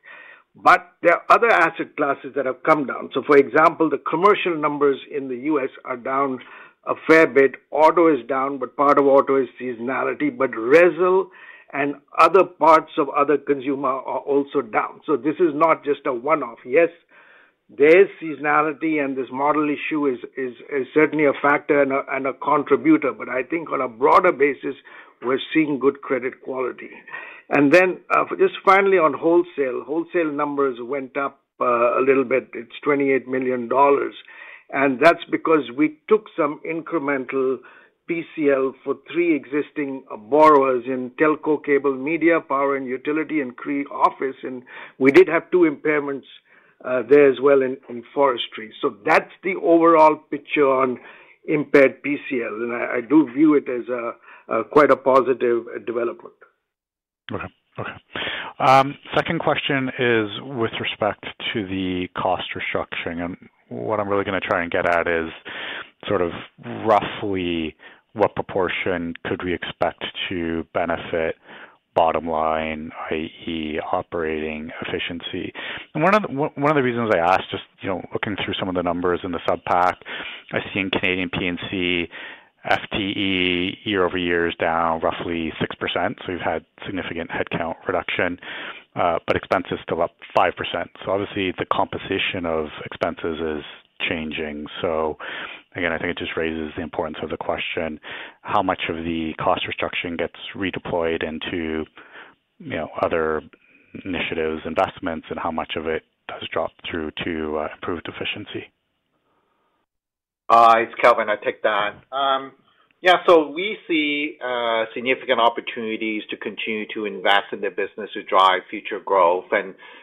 There are other asset classes that have come down. For example, the commercial numbers in the U.S. are down a fair bit. Auto is down, but part of auto is seasonality. Resin and other parts of other consumer are also down. This is not just a one-off. Yes, there is seasonality, and this model issue is certainly a factor and a contributor. I think on a broader basis, we are seeing good credit quality. Finally, on wholesale, wholesale numbers went up a little bit. It is $28 million. That is because we took some incremental PCL for three existing borrowers in telco, cable, media, power, and utility in CRE office. We did have two impairments there as well in forestry. That is the overall picture on impaired PCL. I do view it as quite a positive development. Okay. Okay. Second question is with respect to the cost restructuring. And what I'm really going to try and get at is sort of roughly what proportion could we expect to benefit bottom line, i.e., operating efficiency. And one of the reasons I asked, just looking through some of the numbers in the subpack, I see in Canadian P&C, FTE year-over-year is down roughly 6%. So we've had significant headcount reduction, but expenses still up 5%. So obviously, the composition of expenses is changing. So again, I think it just raises the importance of the question, how much of the cost restructuring gets redeployed into other initiatives, investments, and how much of it does drop through to improved efficiency? Hi, it's Kelvin. I'll take that. Yeah. We see significant opportunities to continue to invest in the business to drive future growth.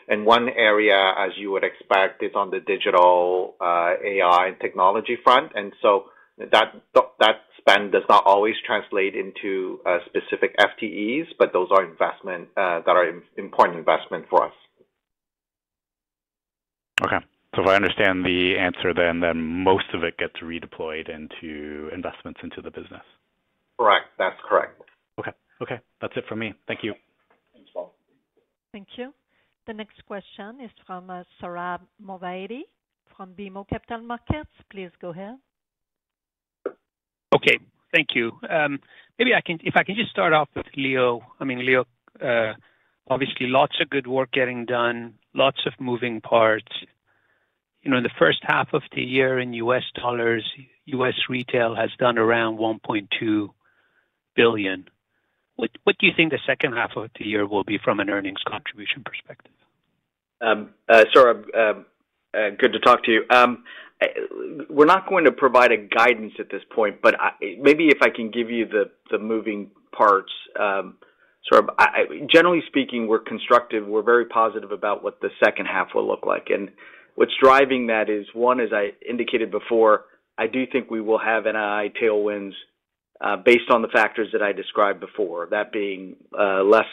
One area, as you would expect, is on the digital AI and technology front. That spend does not always translate into specific FTEs, but those are investments that are important investments for us. Okay. If I understand the answer then, then most of it gets redeployed into investments into the business. Correct. That's correct. Okay. Okay. That's it for me. Thank you. Thanks, Paul. Thank you. The next question is from Sohrab Movahedi from BMO Capital Markets. Please go ahead. Okay. Thank you. Maybe if I can just start off with Leo. I mean, Leo, obviously lots of good work getting done, lots of moving parts. In the first half of the year in U.S. dollars, U.S. retail has done around $1.2 billion. What do you think the second half of the year will be from an earnings contribution perspective? Sorry. Good to talk to you. We're not going to provide guidance at this point, but maybe if I can give you the moving parts, sort of generally speaking, we're constructive. We're very positive about what the second half will look like. What's driving that is, one, as I indicated before, I do think we will have NII tailwinds based on the factors that I described before, that being less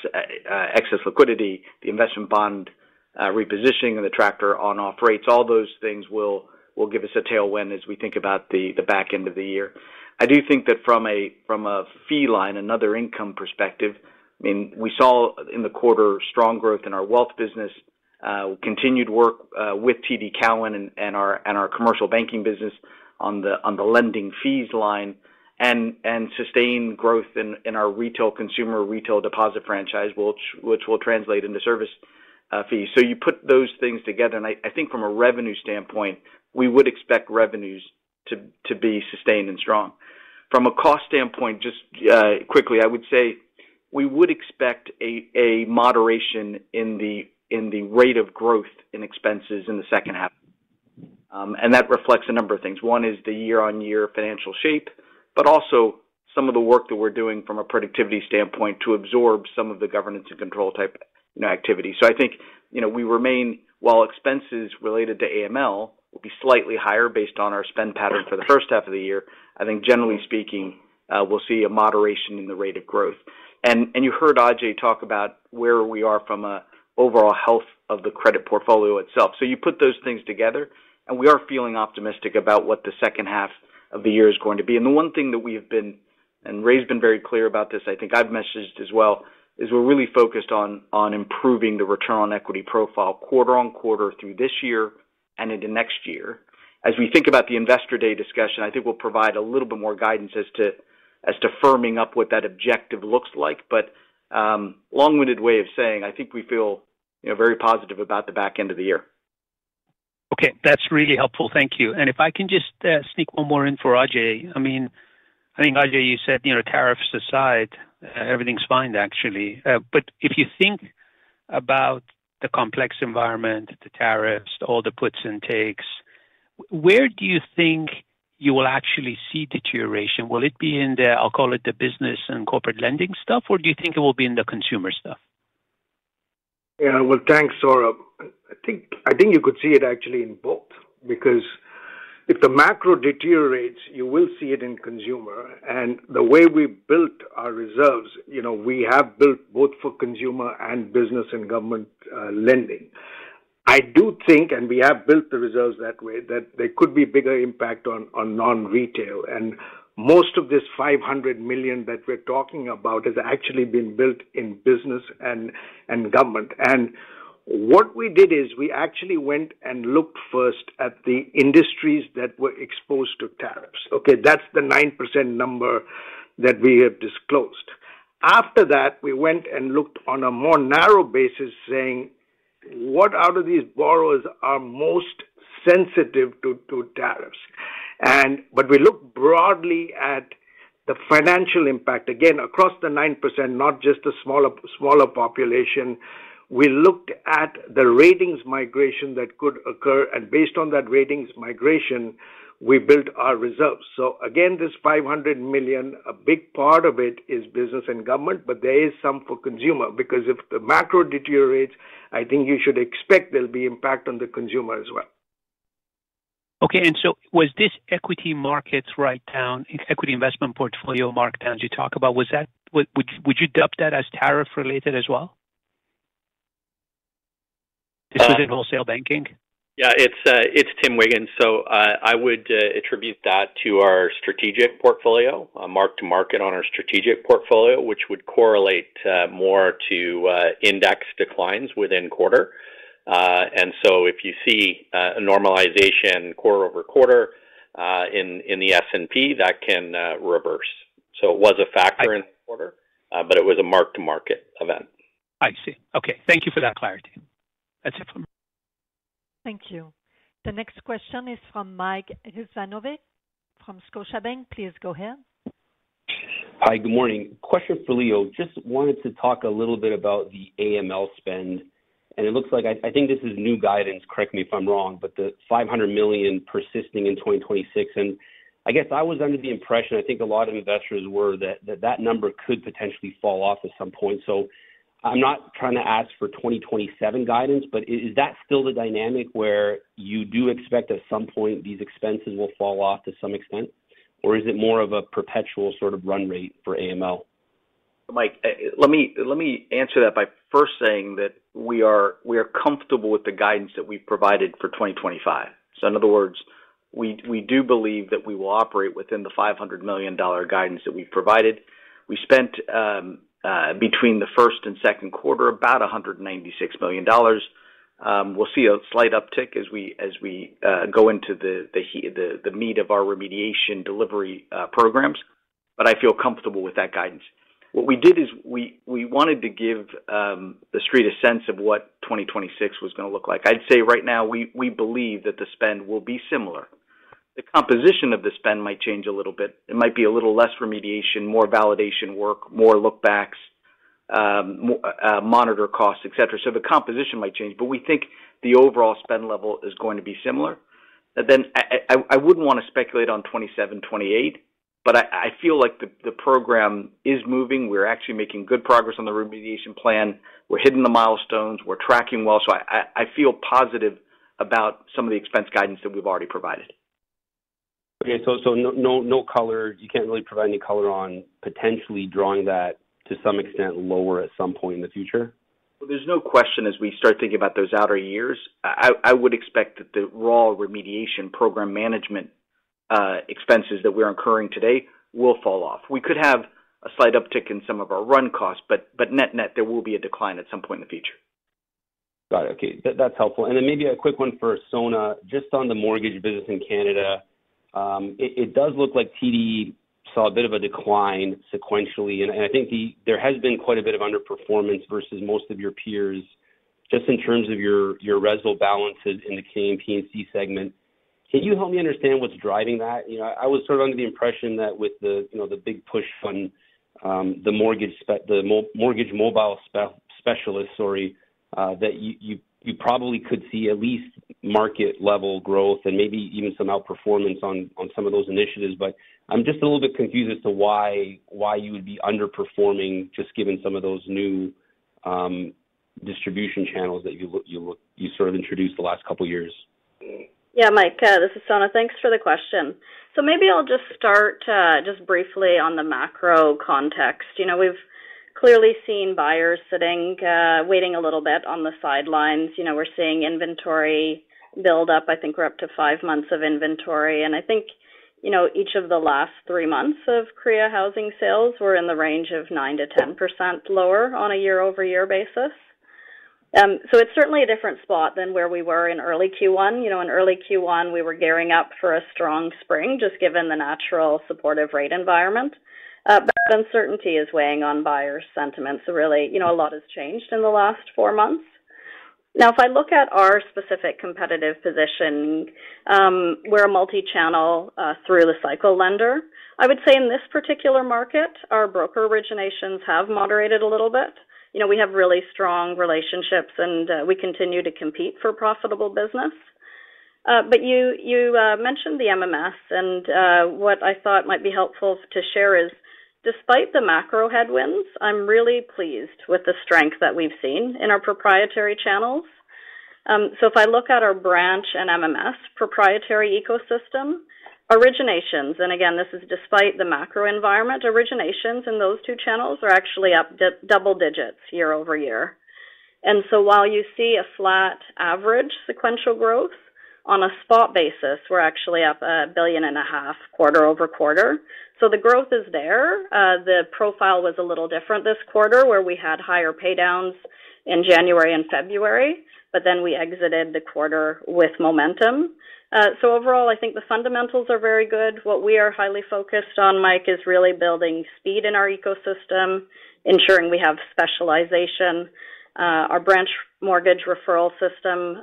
excess liquidity, the investment bond repositioning, and the tractor on-off rates. All those things will give us a tailwind as we think about the back end of the year. I do think that from a fee line, another income perspective, I mean, we saw in the quarter strong growth in our wealth business, continued work with TD Cowen and our commercial banking business on the lending fees line, and sustained growth in our retail consumer retail deposit franchise, which will translate into service fees. You put those things together, and I think from a revenue standpoint, we would expect revenues to be sustained and strong. From a cost standpoint, just quickly, I would say we would expect a moderation in the rate of growth in expenses in the second half. That reflects a number of things. One is the year-on-year financial shape, but also some of the work that we're doing from a productivity standpoint to absorb some of the governance and control type activity. I think we remain, while expenses related to AML will be slightly higher based on our spend pattern for the first half of the year, I think generally speaking, we'll see a moderation in the rate of growth. You heard Ajai talk about where we are from an overall health of the credit portfolio itself. You put those things together, and we are feeling optimistic about what the second half of the year is going to be. The one thing that we have been, and Ray's been very clear about this, I think I've messaged as well, is we're really focused on improving the return on equity profile quarter on quarter through this year and into next year. As we think about the investor day discussion, I think we'll provide a little bit more guidance as to firming up what that objective looks like. Long-winded way of saying, I think we feel very positive about the back end of the year. Okay. That's really helpful. Thank you. If I can just sneak one more in for Ajai. I mean, I think Ajai, you said tariffs aside, everything's fine actually. If you think about the complex environment, the tariffs, all the puts and takes, where do you think you will actually see deterioration? Will it be in the, I'll call it the business and corporate lending stuff, or do you think it will be in the consumer stuff? Yeah. Thanks, Sohrab. I think you could see it actually in both because if the macro deteriorates, you will see it in consumer. The way we built our reserves, we have built both for consumer and business and government lending. I do think, and we have built the reserves that way, there could be a bigger impact on non-retail. Most of this $500 million that we're talking about has actually been built in business and government. What we did is we actually went and looked first at the industries that were exposed to tariffs. That is the 9% number that we have disclosed. After that, we went and looked on a more narrow basis, saying, "What out of these borrowers are most sensitive to tariffs?" We looked broadly at the financial impact, again, across the 9%, not just the smaller population. We looked at the ratings migration that could occur. Based on that ratings migration, we built our reserves. Again, this $500 million, a big part of it is business and government, but there is some for consumer because if the macro deteriorates, I think you should expect there'll be impact on the consumer as well. Okay. Was this equity markets write-down, equity investment portfolio markdowns you talk about, would you dub that as tariff-related as well? This was in Wholesale Banking? Yeah. It's Tim Wiggan. I would attribute that to our strategic portfolio, mark to market on our strategic portfolio, which would correlate more to index declines within quarter. If you see a normalization quarter-over-quarter in the S&P, that can reverse. It was a factor in the quarter, but it was a mark to market event. I see. Okay. Thank you for that clarity. That's it for me. Thank you. The next question is from Mike Rizvanovic from Scotiabank. Please go ahead. Hi, good morning. Question for Leo. Just wanted to talk a little bit about the AML spend. It looks like I think this is new guidance. Correct me if I'm wrong, but the $500 million persisting in 2026. I guess I was under the impression, I think a lot of investors were, that that number could potentially fall off at some point. I'm not trying to ask for 2027 guidance, but is that still the dynamic where you do expect at some point these expenses will fall off to some extent, or is it more of a perpetual sort of run rate for AML? Mike, let me answer that by first saying that we are comfortable with the guidance that we have provided for 2025. In other words, we do believe that we will operate within the $500 million guidance that we have provided. We spent between the first and second quarter about $196 million. We will see a slight uptick as we go into the meat of our remediation delivery programs, but I feel comfortable with that guidance. What we did is we wanted to give the street a sense of what 2026 was going to look like. I would say right now we believe that the spend will be similar. The composition of the spend might change a little bit. It might be a little less remediation, more validation work, more look-backs, monitor costs, etc. The composition might change, but we think the overall spend level is going to be similar. I would not want to speculate on '27- '28, but I feel like the program is moving. We are actually making good progress on the remediation plan. We are hitting the milestones. We are tracking well. I feel positive about some of the expense guidance that we have already provided. Okay. So no color. You can't really provide any color on potentially drawing that to some extent lower at some point in the future? There is no question as we start thinking about those outer years. I would expect that the raw remediation program management expenses that we are incurring today will fall off. We could have a slight uptick in some of our run costs, but net-net, there will be a decline at some point in the future. Got it. Okay. That's helpful. Maybe a quick one for Sona, just on the mortgage business in Canada. It does look like TD saw a bit of a decline sequentially. I think there has been quite a bit of underperformance versus most of your peers just in terms of your RESL balances in the Canadian P&C segment. Can you help me understand what's driving that? I was sort of under the impression that with the big push on the mortgage mobile specialist, sorry, that you probably could see at least market-level growth and maybe even some outperformance on some of those initiatives. I'm just a little bit confused as to why you would be underperforming just given some of those new distribution channels that you sort of introduced the last couple of years? Yeah, Mike, this is Sona. Thanks for the question. Maybe I'll just start just briefly on the macro context. We've clearly seen buyers sitting, waiting a little bit on the sidelines. We're seeing inventory build up. I think we're up to five months of inventory. I think each of the last three months of Cree housing sales were in the range of 9%-10% lower on a year-over-year basis. It's certainly a different spot than where we were in early Q1. In early Q1, we were gearing up for a strong spring just given the natural supportive rate environment. Uncertainty is weighing on buyers' sentiment. Really, a lot has changed in the last four months. Now, if I look at our specific competitive position, we're a multi-channel through-the-cycle lender. I would say in this particular market, our broker originations have moderated a little bit. We have really strong relationships, and we continue to compete for profitable business. You mentioned the MMS, and what I thought might be helpful to share is, despite the macro headwinds, I'm really pleased with the strength that we've seen in our proprietary channels. If I look at our branch and MMS proprietary ecosystem, originations, and again, this is despite the macro environment, originations in those two channels are actually up double digits year-over-year. While you see a flat average sequential growth on a spot basis, we're actually up $1.5 billion quarter-over-quarter. The growth is there. The profile was a little different this quarter where we had higher paydowns in January and February, but we exited the quarter with momentum. Overall, I think the fundamentals are very good. What we are highly focused on, Mike, is really building speed in our ecosystem, ensuring we have specialization. Our branch mortgage referral system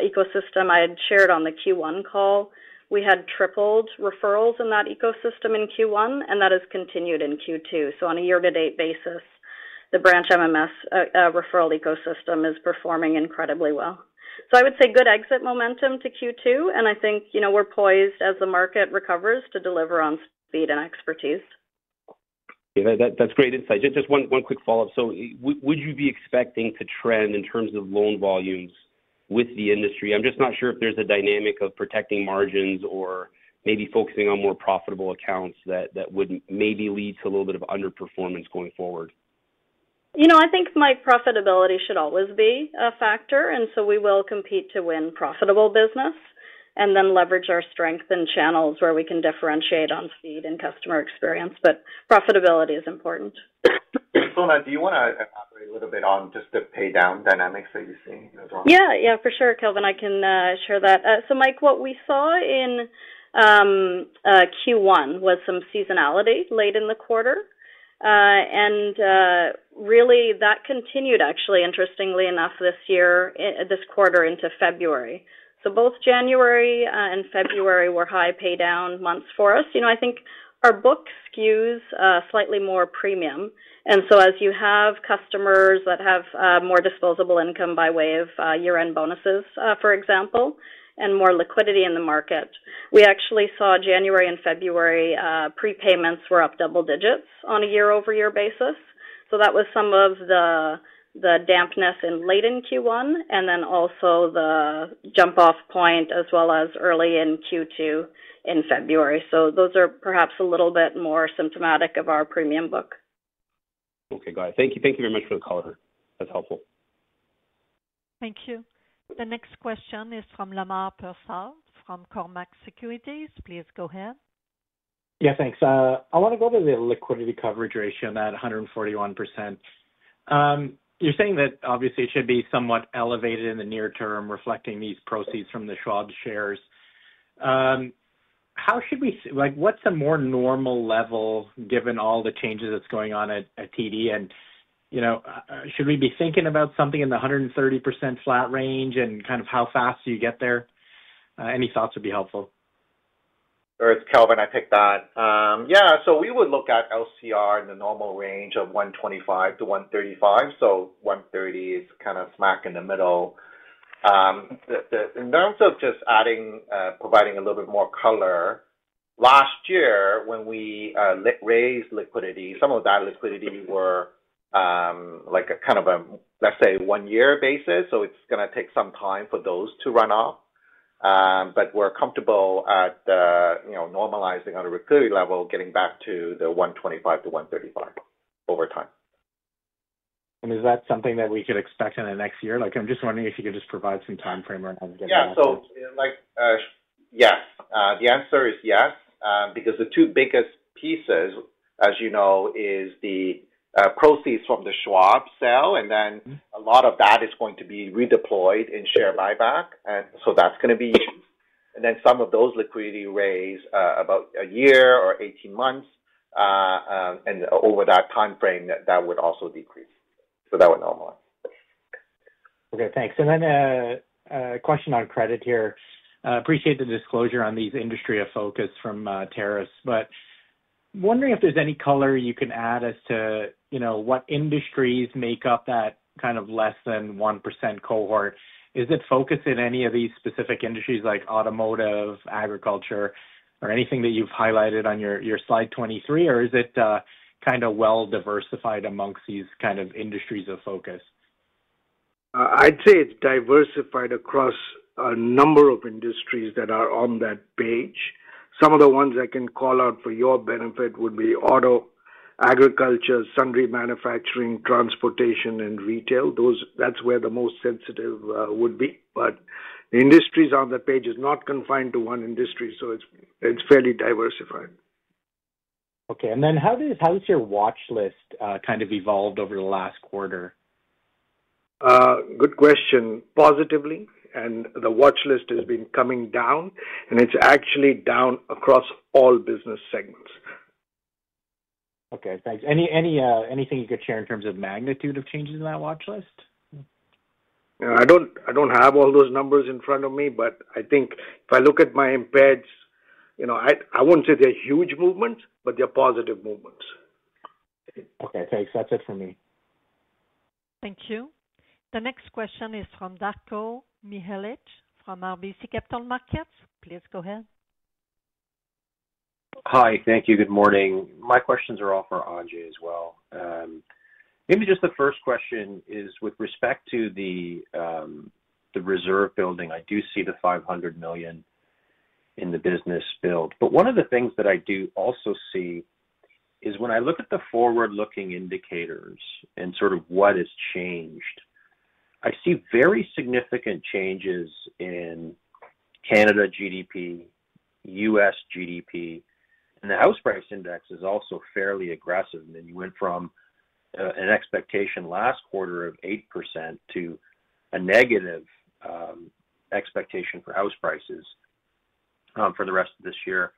ecosystem I had shared on the Q1 call, we had tripled referrals in that ecosystem in Q1, and that has continued in Q2. On a year-to-date basis, the branch MMS referral ecosystem is performing incredibly well. I would say good exit momentum to Q2, and I think we're poised as the market recovers to deliver on speed and expertise. Yeah. That's great insight. Just one quick follow-up. Would you be expecting to trend in terms of loan volumes with the industry? I'm just not sure if there's a dynamic of protecting margins or maybe focusing on more profitable accounts that would maybe lead to a little bit of underperformance going forward. I think, Mike, profitability should always be a factor, and so we will compete to win profitable business and then leverage our strength in channels where we can differentiate on speed and customer experience. Profitability is important. Sona, do you want to elaborate a little bit on just the paydown dynamics that you've seen? Yeah. Yeah. For sure, Kelvin. I can share that. So Mike, what we saw in Q1 was some seasonality late in the quarter. And really, that continued actually, interestingly enough, this year, this quarter into February. Both January and February were high paydown months for us. I think our book skews slightly more premium. As you have customers that have more disposable income by way of year-end bonuses, for example, and more liquidity in the market, we actually saw January and February prepayments were up double digits on a year-over-year basis. That was some of the dampness in late in Q1 and then also the jump-off point as well as early in Q2 in February. Those are perhaps a little bit more symptomatic of our premium book. Okay. Got it. Thank you very much for the color. That's helpful. Thank you. The next question is from Mike Huzanovic from Cormark Securities. Please go ahead. Yeah. Thanks. I want to go to the liquidity coverage ratio at 141%. You're saying that obviously it should be somewhat elevated in the near term, reflecting these proceeds from the Schwab shares. How should we—what's a more normal level given all the changes that's going on at TD? And should we be thinking about something in the 130% flat range and kind of how fast do you get there? Any thoughts would be helpful. Hello it's Kelvin. I'll take that. Yeah. We would look at LCR in the normal range of 125-135. 130 is kind of smack in the middle. In terms of just adding, providing a little bit more color, last year when we raised liquidity, some of that liquidity were like a kind of a, let's say, one-year basis. It's going to take some time for those to run off. We're comfortable at normalizing on a liquidity level, getting back to the 125-135 over time. Is that something that we could expect in the next year? I'm just wondering if you could just provide some time frame around getting that? Yeah. Yes. The answer is yes because the two biggest pieces, as you know, is the proceeds from the Schwab sale, and then a lot of that is going to be redeployed in share buyback. That is going to be huge. Then some of those liquidity raise about a year or 18 months. Over that time frame, that would also decrease. That would normalize. Okay. Thanks. A question on credit here. Appreciate the disclosure on these industry of focus from Terrace, but wondering if there's any color you can add as to what industries make up that kind of less than 1% cohort. Is it focused in any of these specific industries like automotive, agriculture, or anything that you've highlighted on your slide 23, or is it kind of well-diversified amongst these kind of industries of focus? I'd say it's diversified across a number of industries that are on that page. Some of the ones I can call out for your benefit would be auto, agriculture, sundry manufacturing, transportation, and retail. That's where the most sensitive would be. The industries on the page are not confined to one industry, so it's fairly diversified. Okay. How has your watch list kind of evolved over the last quarter? Good question. Positively. The watch list has been coming down, and it's actually down across all business segments. Okay. Thanks. Anything you could share in terms of magnitude of changes in that watch list? I don't have all those numbers in front of me, but I think if I look at my impaireds, I wouldn't say they're huge movements, but they're positive movements. Okay. Thanks. That's it for me. Thank you. The next question is from Darko Mihelic from RBC Capital Markets. Please go ahead. Hi. Thank you. Good morning. My questions are all for Ajai as well. Maybe just the first question is with respect to the reserve building. I do see the $500 million in the business built. One of the things that I do also see is when I look at the forward-looking indicators and sort of what has changed, I see very significant changes in Canada GDP, U.S. GDP, and the house price index is also fairly aggressive. You went from an expectation last quarter of 8% to a negative expectation for house prices for the rest of this year.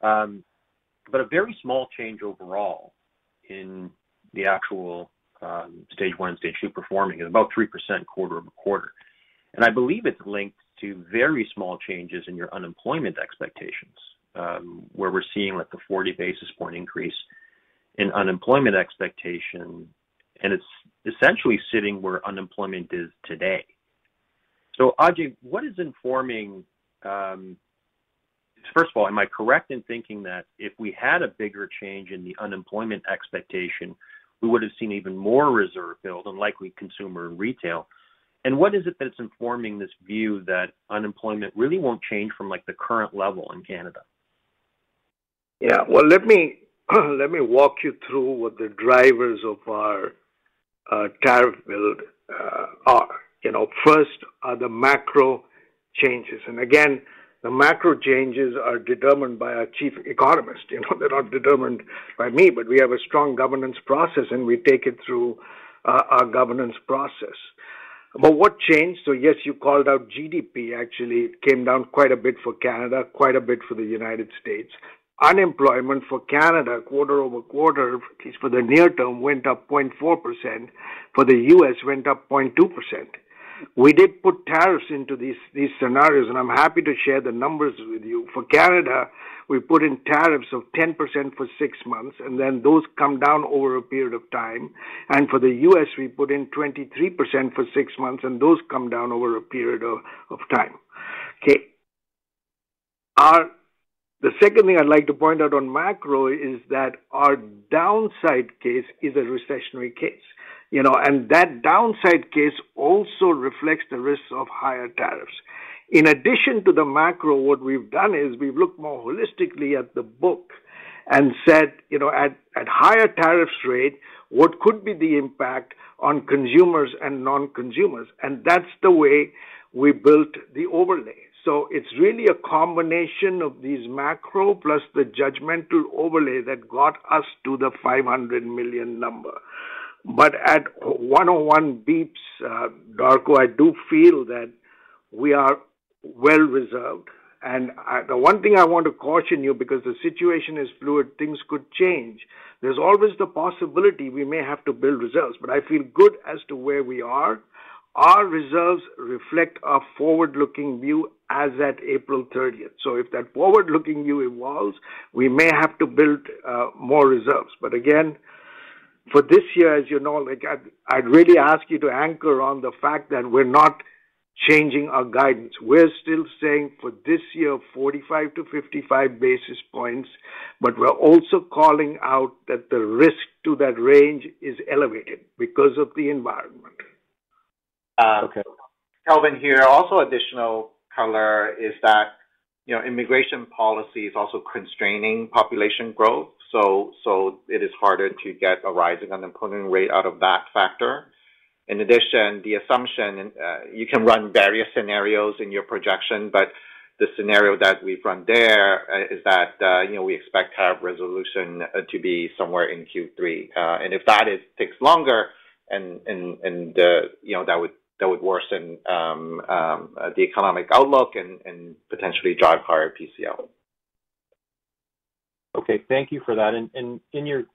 A very small change overall in the actual stage one and stage two performing is about 3% quarter-over-quarter. I believe it's linked to very small changes in your unemployment expectations, where we're seeing like a 40 basis point increase in unemployment expectation, and it's essentially sitting where unemployment is today. Ajai, what is informing? First of all, am I correct in thinking that if we had a bigger change in the unemployment expectation, we would have seen even more reserve build and likely consumer retail? What is it that's informing this view that unemployment really won't change from the current level in Canada? Yeah. Let me walk you through what the drivers of our tariff build are. First are the macro changes. Again, the macro changes are determined by our Chief Economist. They're not determined by me, but we have a strong governance process, and we take it through our governance process. What changed? Yes, you called out GDP. Actually, it came down quite a bit for Canada, quite a bit for the United States. Unemployment for Canada, quarter-over-quarter, at least for the near term, went up 0.4%. For the U.S., went up 0.2%. We did put tariffs into these scenarios, and I'm happy to share the numbers with you. For Canada, we put in tariffs of 10% for six months, and then those come down over a period of time. For the U.S., we put in 23% for six months, and those come down over a period of time. The second thing I'd like to point out on macro is that our downside case is a recessionary case. That downside case also reflects the risks of higher tariffs. In addition to the macro, what we've done is we've looked more holistically at the book and said, at higher tariffs rate, what could be the impact on consumers and non-consumers? That's the way we built the overlay. It's really a combination of these macro plus the judgmental overlay that got us to the $500 million number. At 101 bps, Darko, I do feel that we are well reserved. The one thing I want to caution you, because the situation is fluid, things could change. There's always the possibility we may have to build reserves. I feel good as to where we are. Our reserves reflect a forward-looking view as at April 30. If that forward-looking view evolves, we may have to build more reserves. Again, for this year, as you know, I'd really ask you to anchor on the fact that we're not changing our guidance. We're still saying for this year, 45-55 basis points, but we're also calling out that the risk to that range is elevated because of the environment. Kelvin here. Also, additional color is that immigration policy is also constraining population growth. So it is harder to get a rising unemployment rate out of that factor. In addition, the assumption you can run various scenarios in your projection, but the scenario that we've run there is that we expect tariff resolution to be somewhere in Q3. And if that takes longer, that would worsen the economic outlook and potentially drive higher PCL. Okay. Thank you for that. In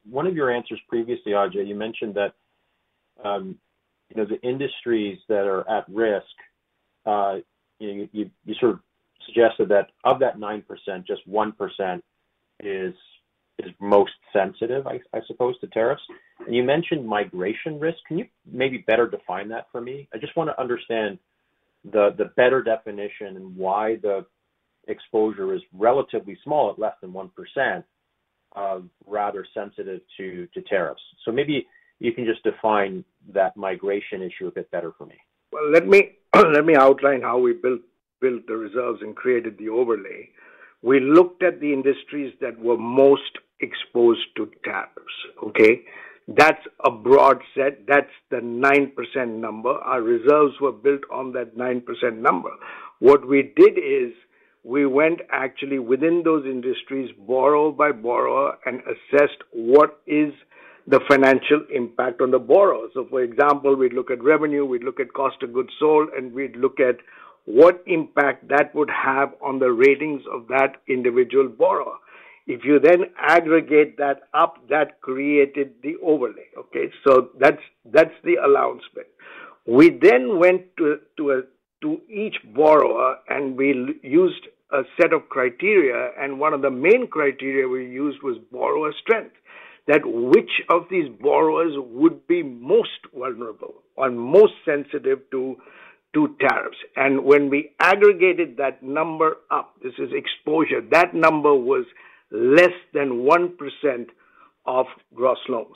one of your answers previously, Ajai, you mentioned that the industries that are at risk, you sort of suggested that of that 9%, just 1% is most sensitive, I suppose, to tariffs. You mentioned migration risk. Can you maybe better define that for me? I just want to understand the better definition and why the exposure is relatively small at less than 1% of rather sensitive to tariffs. Maybe you can just define that migration issue a bit better for me. Let me outline how we built the reserves and created the overlay. We looked at the industries that were most exposed to tariffs. Okay? That is a broad set. That is the 9% number. Our reserves were built on that 9% number. What we did is we went actually within those industries, borrower by borrower, and assessed what is the financial impact on the borrowers. For example, we would look at revenue, we would look at cost of goods sold, and we would look at what impact that would have on the ratings of that individual borrower. If you then aggregate that up, that created the overlay. Okay? That is the allowance bit. We then went to each borrower, and we used a set of criteria, and one of the main criteria we used was borrower strength, that which of these borrowers would be most vulnerable or most sensitive to tariffs. When we aggregated that number up, this is exposure, that number was less than 1% of gross loans.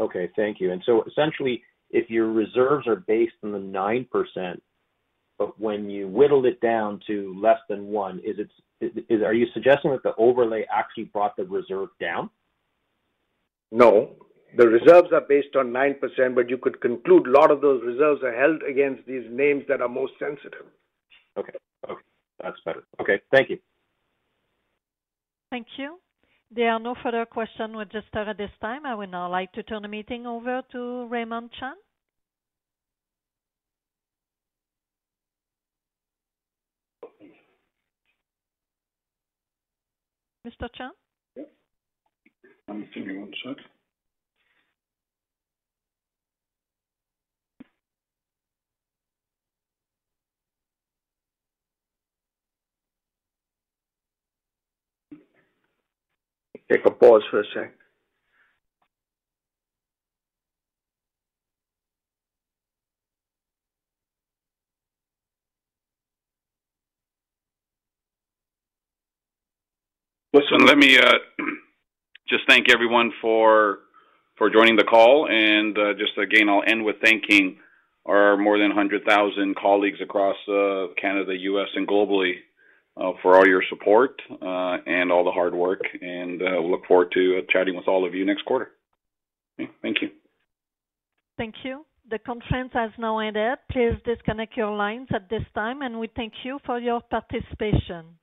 Okay. Thank you. Essentially, if your reserves are based on the 9%, but when you whittled it down to less than 1%, are you suggesting that the overlay actually brought the reserve down? No. The reserves are based on 9%, but you could conclude a lot of those reserves are held against these names that are most sensitive. Okay. That's better. Okay. Thank you. Thank you. There are no further questions registered at this time. I would now like to turn the meeting over to Raymond Chun. Mr. Chun? Yep. Give me one sec. Take a pause for a sec. Listen, let me just thank everyone for joining the call. I will end with thanking our more than 100,000 colleagues across Canada, the U.S., and globally for all your support and all the hard work. We look forward to chatting with all of you next quarter. Thank you. Thank you. The conference has now ended. Please disconnect your lines at this time, and we thank you for your participation.